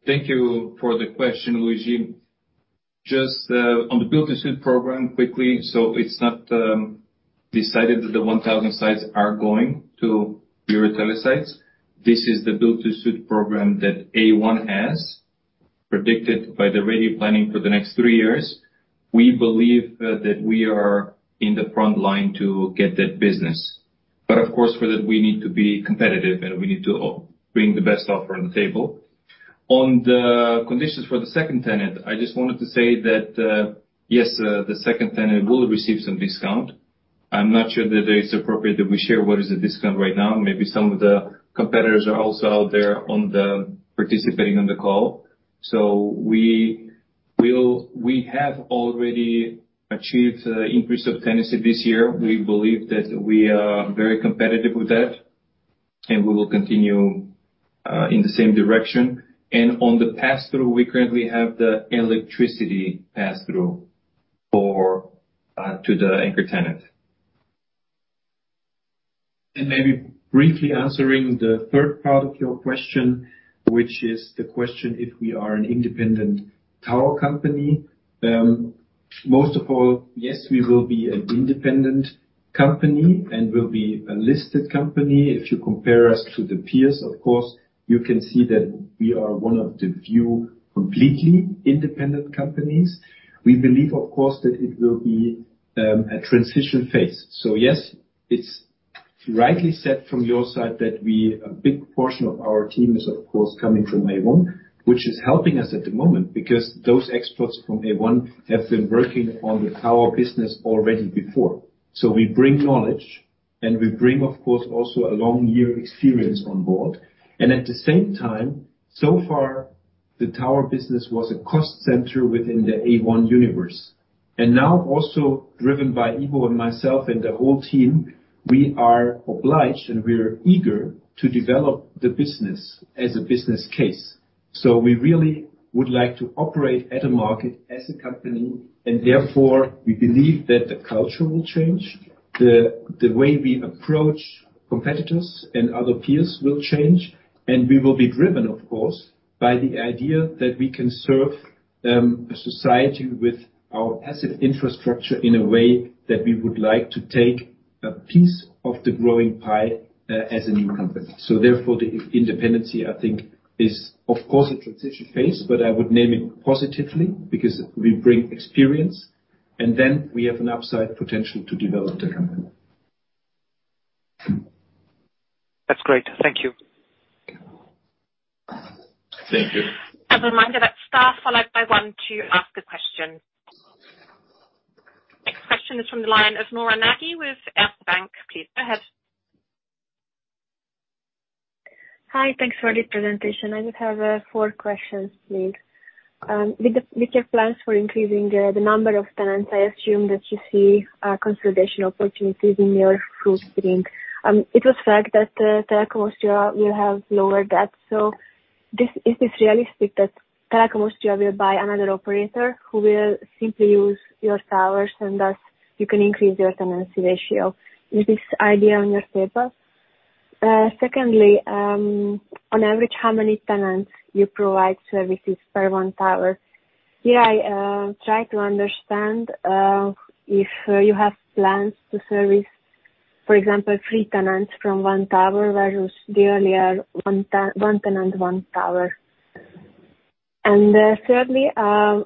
Thank you for the question, Luigi. Just on the build-to-suit program, quickly, so it's not decided that the 1,000 sites are going to be TeleSites. This is the build-to-suit program that A1 has predicted by the radio planning for the next three years. We believe that we are in the front line to get that business. But of course, for that, we need to be competitive, and we need to bring the best offer on the table. On the conditions for the second tenant, I just wanted to say that, yes, the second tenant will receive some discount. I'm not sure that it is appropriate that we share what is the discount right now. Maybe some of the competitors are also out there on the participating on the call. So we have already achieved increase of tenancy this year. We believe that we are very competitive with that, and we will continue in the same direction. And on the pass-through, we currently have the electricity pass-through for to the anchor tenant. And maybe briefly answering the third part of your question, which is the question if we are an independent tower company. Most of all, yes, we will be an independent company and will be a listed company. If you compare us to the peers, of course, you can see that we are one of the few completely independent companies. We believe, of course, that it will be a transition phase. So yes, it's rightly said from your side that we, a big portion of our team is, of course, coming from A1, which is helping us at the moment, because those experts from A1 have been working on the tower business already before. So we bring knowledge, and we bring, of course, also a long year experience on board. And at the same time, so far, the tower business was a cost center within the A1 universe. And now, also driven by Ivo and myself and the whole team, we are obliged, and we are eager to develop the business as a business case. So we really would like to operate at the market as a company, and therefore, we believe that the culture will change, the way we approach competitors and other peers will change. And we will be driven, of course, by the idea that we can serve a society with our asset infrastructure in a way that we would like to take a piece of the growing pie as a new company. So therefore, the independence, I think, is of course, a transition phase, but I would name it positively, because we bring experience, and then we have an upside potential to develop the company. That's great. Thank you. Thank you. As a reminder, that's star followed by one to ask a question. Next question is from the line of Nora Nagy with Erste Bank. Please, go ahead. Hi, thanks for the presentation. I just have four questions, please. With the, with your plans for increasing the number of tenants, I assume that you see consolidation opportunities in your footprint. It was fact that Telekom Austria will have lower debt. So this, is this realistic that Telekom Austria will buy another operator, who will simply use your towers, and thus you can increase your tenancy ratio? Is this idea on your table? Secondly, on average, how many tenants you provide services per one tower? Here, I try to understand if you have plans to service, for example, three tenants from one tower versus the earlier one tenant, one tower. Thirdly,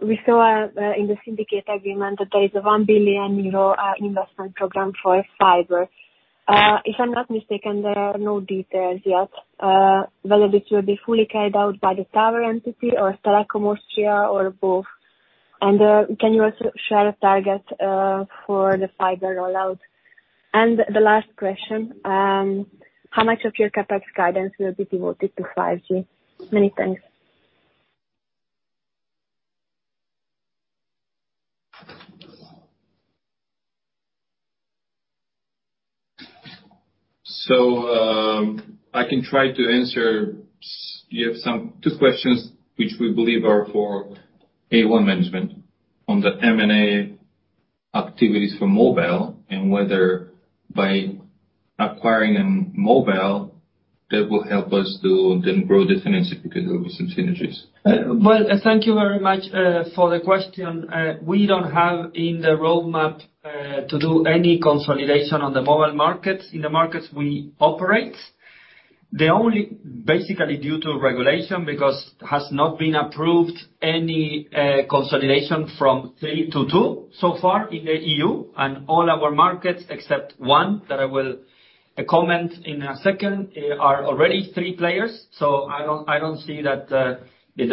we saw in the syndicate agreement that there is a 1 billion euro investment program for fiber. If I'm not mistaken, there are no details yet whether this will be fully carried out by the tower entity or Telekom Austria or both. Can you also share a target for the fiber rollout? The last question, how much of your CapEx guidance will be devoted to 5G? Many thanks. I can try to answer. You have two questions, which we believe are for A1 management on the M&A activities for mobile, and whether by acquiring a mobile, that will help us to then grow the tenancy, because there will be some synergies. Well, thank you very much for the question. We don't have in the roadmap to do any consolidation on the mobile markets, in the markets we operate. The only, basically due to regulation, because has not been approved any consolidation from three to two so far in the EU, and all our markets, except one that I will comment in a second, are already three players. So I don't, I don't see that there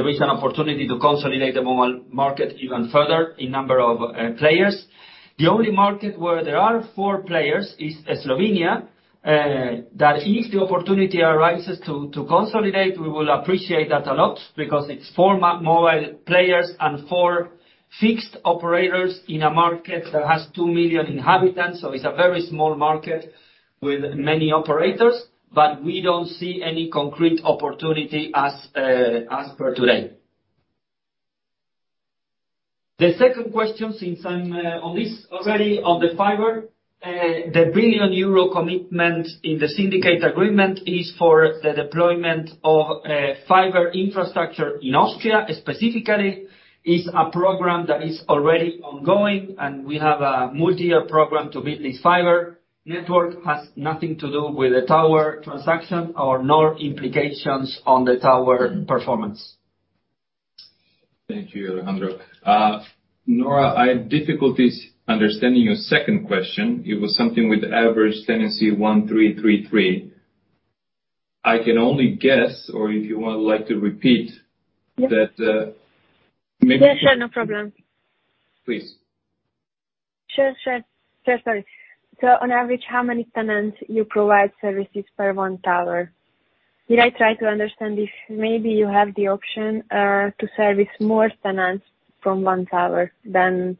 is an opportunity to consolidate the mobile market even further in number of players. The only market where there are four players is Slovenia, that if the opportunity arises to consolidate, we will appreciate that a lot, because it's four mobile players and four fixed operators in a market that has 2 million inhabitants, so it's a very small market with many operators. But we don't see any concrete opportunity as, as per today. The second question, since I'm on this already on the fiber, the 1 billion euro commitment in the syndicate agreement is for the deployment of fiber infrastructure in Austria. Specifically, it's a program that is already ongoing, and we have a multi-year program to build this fiber network. Has nothing to do with the tower transaction or no implications on the tower performance. Thank you, Alejandro. Nora, I have difficulties understanding your second question. It was something with average tenancy 1,333. I can only guess, or if you would like to repeat- Yes. That, maybe- Yes, sure. No problem. Please. Sure, sure. Sure, sorry. So on average, how many tenants you provide services per one tower? Did I try to understand if maybe you have the option to service more tenants from one tower than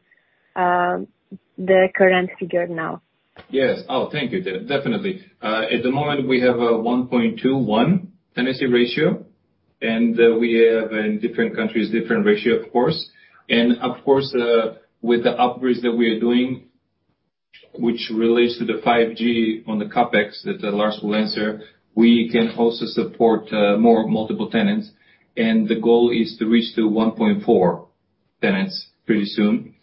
the current figure now? Yes. Oh, thank you. Definitely. At the moment, we have a 1.21 tenancy ratio, and we have in different countries, different ratio, of course. And of course, with the upgrades that we are doing, which relates to the 5G on the CapEx that Lars will answer, we can also support more multiple tenants, and the goal is to reach to 1.4 tenants pretty soon,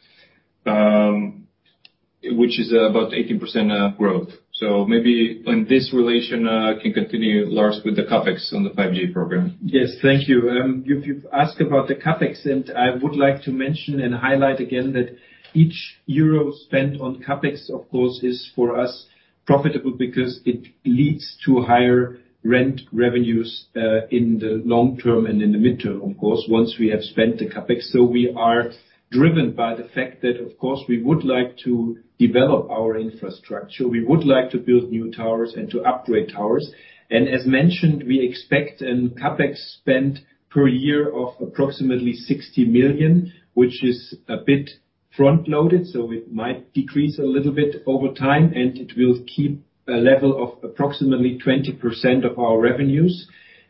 which is about 18% growth. So maybe on this relation, can continue, Lars, with the CapEx on the 5G program. Yes. Thank you. You've asked about the CapEx, and I would like to mention and highlight again that each euro spent on CapEx, of course, is, for us, profitable because it leads to higher rent revenues in the long term and in the mid-term, of course, once we have spent the CapEx. So we are driven by the fact that, of course, we would like to develop our infrastructure. We would like to build new towers and to upgrade towers, and as mentioned, we expect a CapEx spend per year of approximately 60 million, which is a bit front-loaded, so it might decrease a little bit over time, and it will keep a level of approximately 20% of our revenues.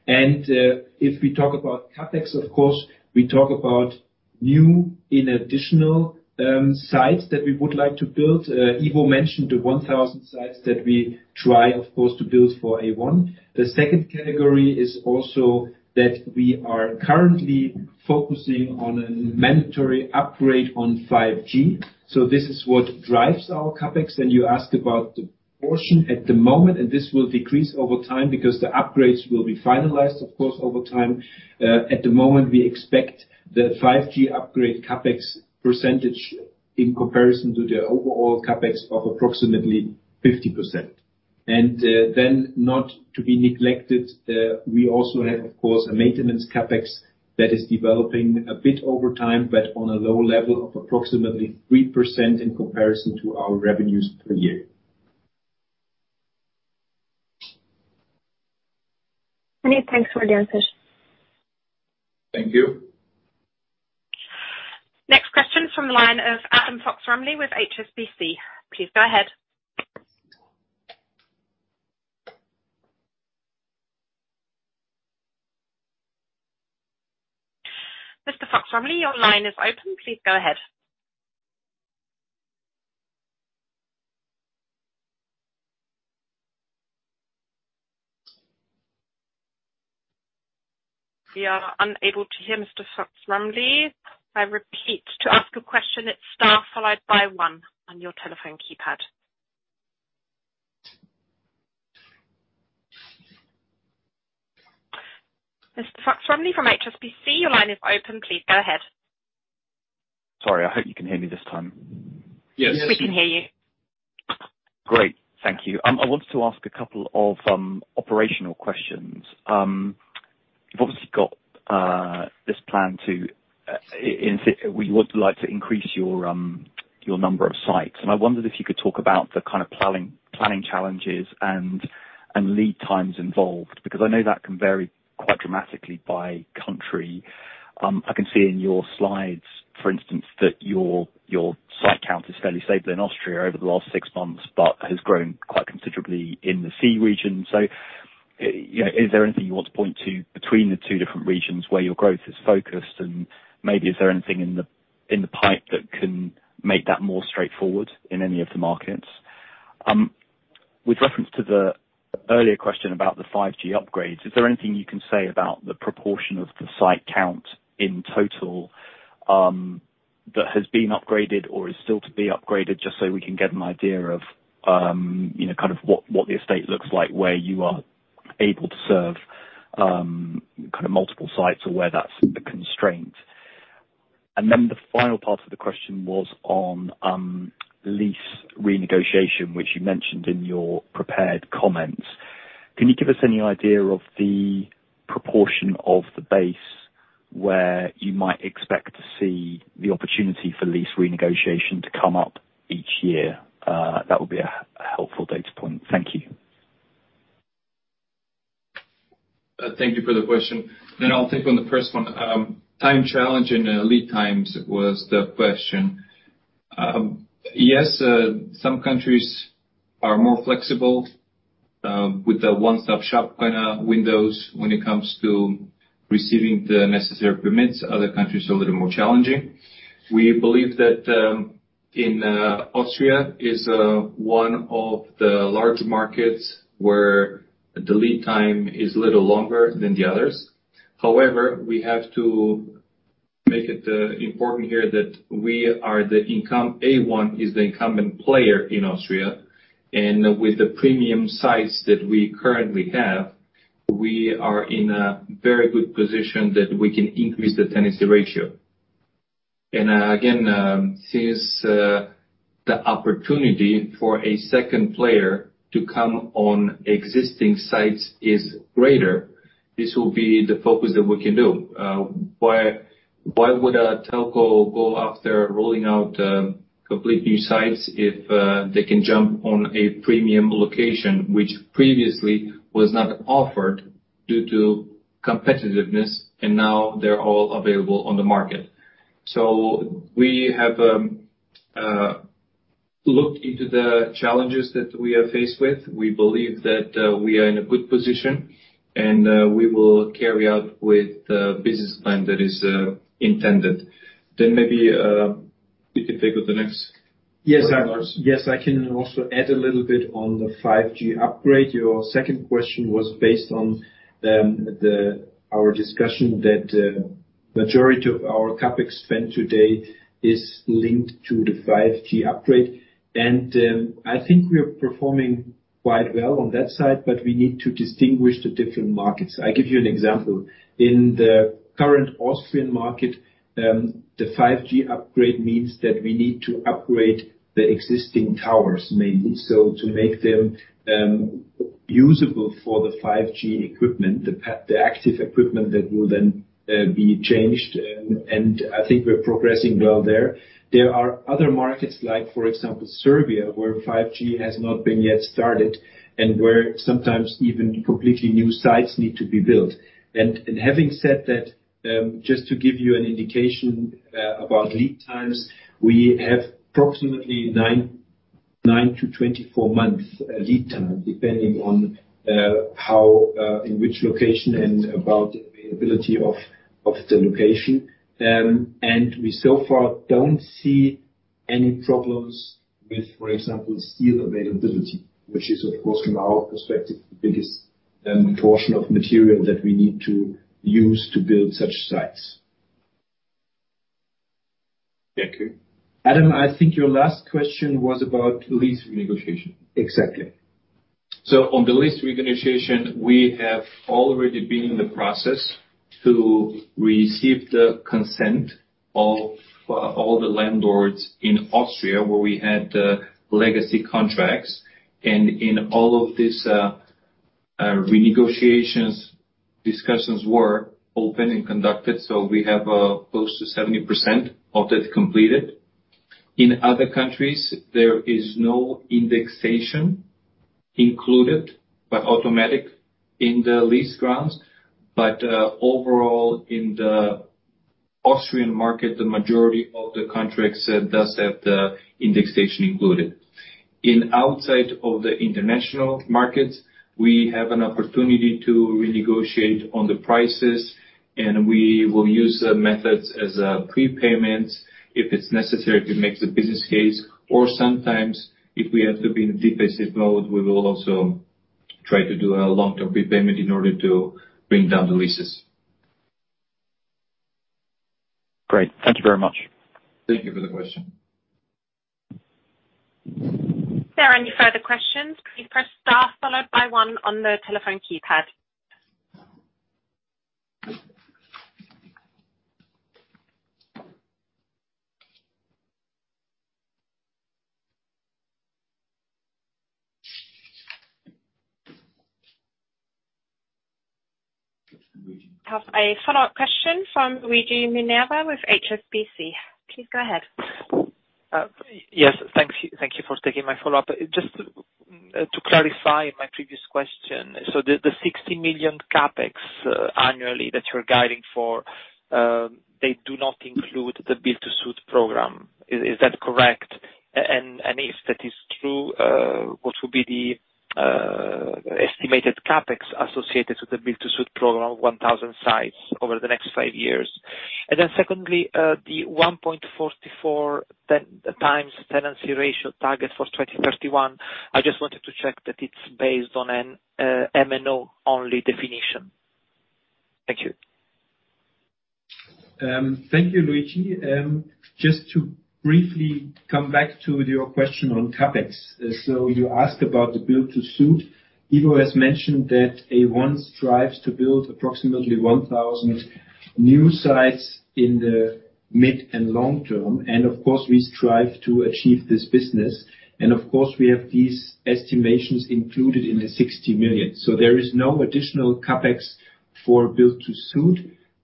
If we talk about CapEx, of course, we talk about new and additional sites that we would like to build. Ivo mentioned the 1,000 sites that we try, of course, to build for A1. The second category is also that we are currently focusing on a mandatory upgrade on 5G. So this is what drives our CapEx. And you asked about the portion at the moment, and this will decrease over time because the upgrades will be finalized, of course, over time. At the moment, we expect the 5G upgrade CapEx percentage, in comparison to the overall CapEx, of approximately 50%. And, then not to be neglected, we also have, of course, a maintenance CapEx that is developing a bit over time, but on a low level of approximately 3% in comparison to our revenues per year. Many thanks for the answers. Thank you. Next question from the line of Adam Fox-Rumley with HSBC. Please go ahead. Mr. Fox-Rumley, your line is open. Please go ahead. We are unable to hear Mr. Fox-Rumley. I repeat, to ask a question, it's star followed by one on your telephone keypad. Mr. Fox-Rumley from HSBC, your line is open. Please go ahead. Sorry, I hope you can hear me this time. Yes. We can hear you. Great. Thank you. I wanted to ask a couple of operational questions. You've obviously got this plan to increase your number of sites, and I wondered if you could talk about the kind of planning challenges and lead times involved, because I know that can vary quite dramatically by country. I can see in your slides, for instance, that your site count is fairly stable in Austria over the last six months, but has grown quite considerably in the CEE region. So, you know, is there anything you want to point to between the two different regions where your growth is focused, and maybe is there anything in the pipeline that can make that more straightforward in any of the markets? With reference to the earlier question about the 5G upgrades, is there anything you can say about the proportion of the site count in total that has been upgraded or is still to be upgraded, just so we can get an idea of you know, kind of what the estate looks like, where you are able to serve kind of multiple sites, or where that's the constraint? And then the final part of the question was on lease renegotiation, which you mentioned in your prepared comments. Can you give us any idea of the proportion of the base-... where you might expect to see the opportunity for lease renegotiation to come up each year. That would be a helpful data point. Thank you. Thank you for the question. Then I'll take on the first one. Time challenge and lead times was the question. Yes, some countries are more flexible with the one-stop shop kind of windows when it comes to receiving the necessary permits. Other countries, a little more challenging. We believe that in Austria is one of the large markets where the lead time is a little longer than the others. However, we have to make it important here that we are the incumbent, A1 is the incumbent player in Austria, and with the premium sites that we currently have, we are in a very good position that we can increase the tenancy ratio. And, again, since the opportunity for a second player to come on existing sites is greater, this will be the focus that we can do. Why, why would a telco go after rolling out complete new sites if they can jump on a premium location which previously was not offered due to competitiveness, and now they're all available on the market? So we have looked into the challenges that we are faced with. We believe that we are in a good position, and we will carry out with the business plan that is intended. Then maybe you can take on the next- Yes, yes, I can also add a little bit on the 5G upgrade. Your second question was based on our discussion that majority of our CapEx spend today is linked to the 5G upgrade. And, I think we're performing quite well on that side, but we need to distinguish the different markets. I give you an example. In the current Austrian market, the 5G upgrade means that we need to upgrade the existing towers mainly, so to make them usable for the 5G equipment, the active equipment that will then be changed, and I think we're progressing well there. There are other markets, like, for example, Serbia, where 5G has not been yet started, and where sometimes even completely new sites need to be built. Having said that, just to give you an indication about lead times, we have approximately 9-24 months lead time, depending on how in which location and about the availability of the location. And we so far don't see any problems with, for example, steel availability, which is, of course, from our perspective, the biggest portion of material that we need to use to build such sites. Thank you. Adam, I think your last question was about lease renegotiation. Exactly. On the lease renegotiation, we have already been in the process to receive the consent of all the landlords in Austria, where we had legacy contracts. In all of these renegotiations, discussions were open and conducted, so we have close to 70% of that completed. In other countries, there is no indexation included, but automatic in the lease grants. Overall, in the Austrian market, the majority of the contracts does have the indexation included. In outside of the international markets, we have an opportunity to renegotiate on the prices, and we will use the methods as a prepayment if it's necessary to make the business case, or sometimes if we have to be in a deficit mode, we will also try to do a long-term prepayment in order to bring down the leases. Great. Thank you very much. Thank you for the question. Are there any further questions? Please press star followed by one on the telephone keypad. I have a follow-up question from Luigi Minerva with HSBC. Please go ahead. Yes, thank you. Thank you for taking my follow-up. Just to clarify my previous question, so the 60 million CapEx annually that you're guiding for, they do not include the build-to-suit program. Is that correct? And if that is true, what would be the estimated CapEx associated with the build-to-suit program of 1,000 sites over the next five years? And then secondly, the 1.44x tenancy ratio target for 2031, I just wanted to check that it's based on an MNO only definition. Thank you. Thank you, Luigi. Just to briefly come back to your question on CapEx. So you asked about the build-to-suit. Ivo has mentioned that A1 strives to build approximately 1,000 new sites in the mid and long term, and of course, we strive to achieve this business. And of course, we have these estimations included in the 60 million. So there is no additional CapEx for build-to-suit.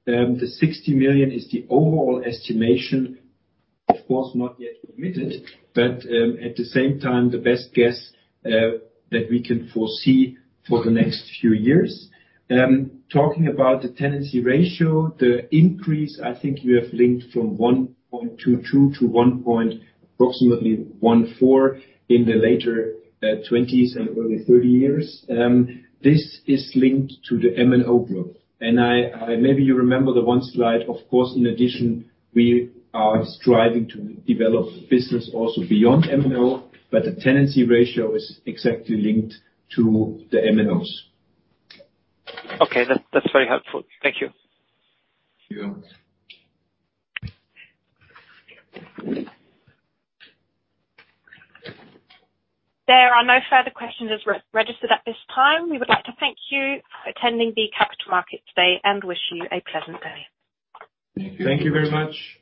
The 60 million is the overall estimation, of course, not yet committed, but, at the same time, the best guess, that we can foresee for the next few years. Talking about the tenancy ratio, the increase, I think you have linked from 1.22 to approximately 1.4 in the late 2020s and early 2030s. This is linked to the MNO group. I, maybe you remember the one slide. Of course, in addition, we are striving to develop business also beyond MNO, but the tenancy ratio is exactly linked to the MNOs. Okay. That, that's very helpful. Thank you. Thank you. There are no further questions re-registered at this time. We would like to thank you for attending the Capital Markets Day, and wish you a pleasant day. Thank you. Thank you very much.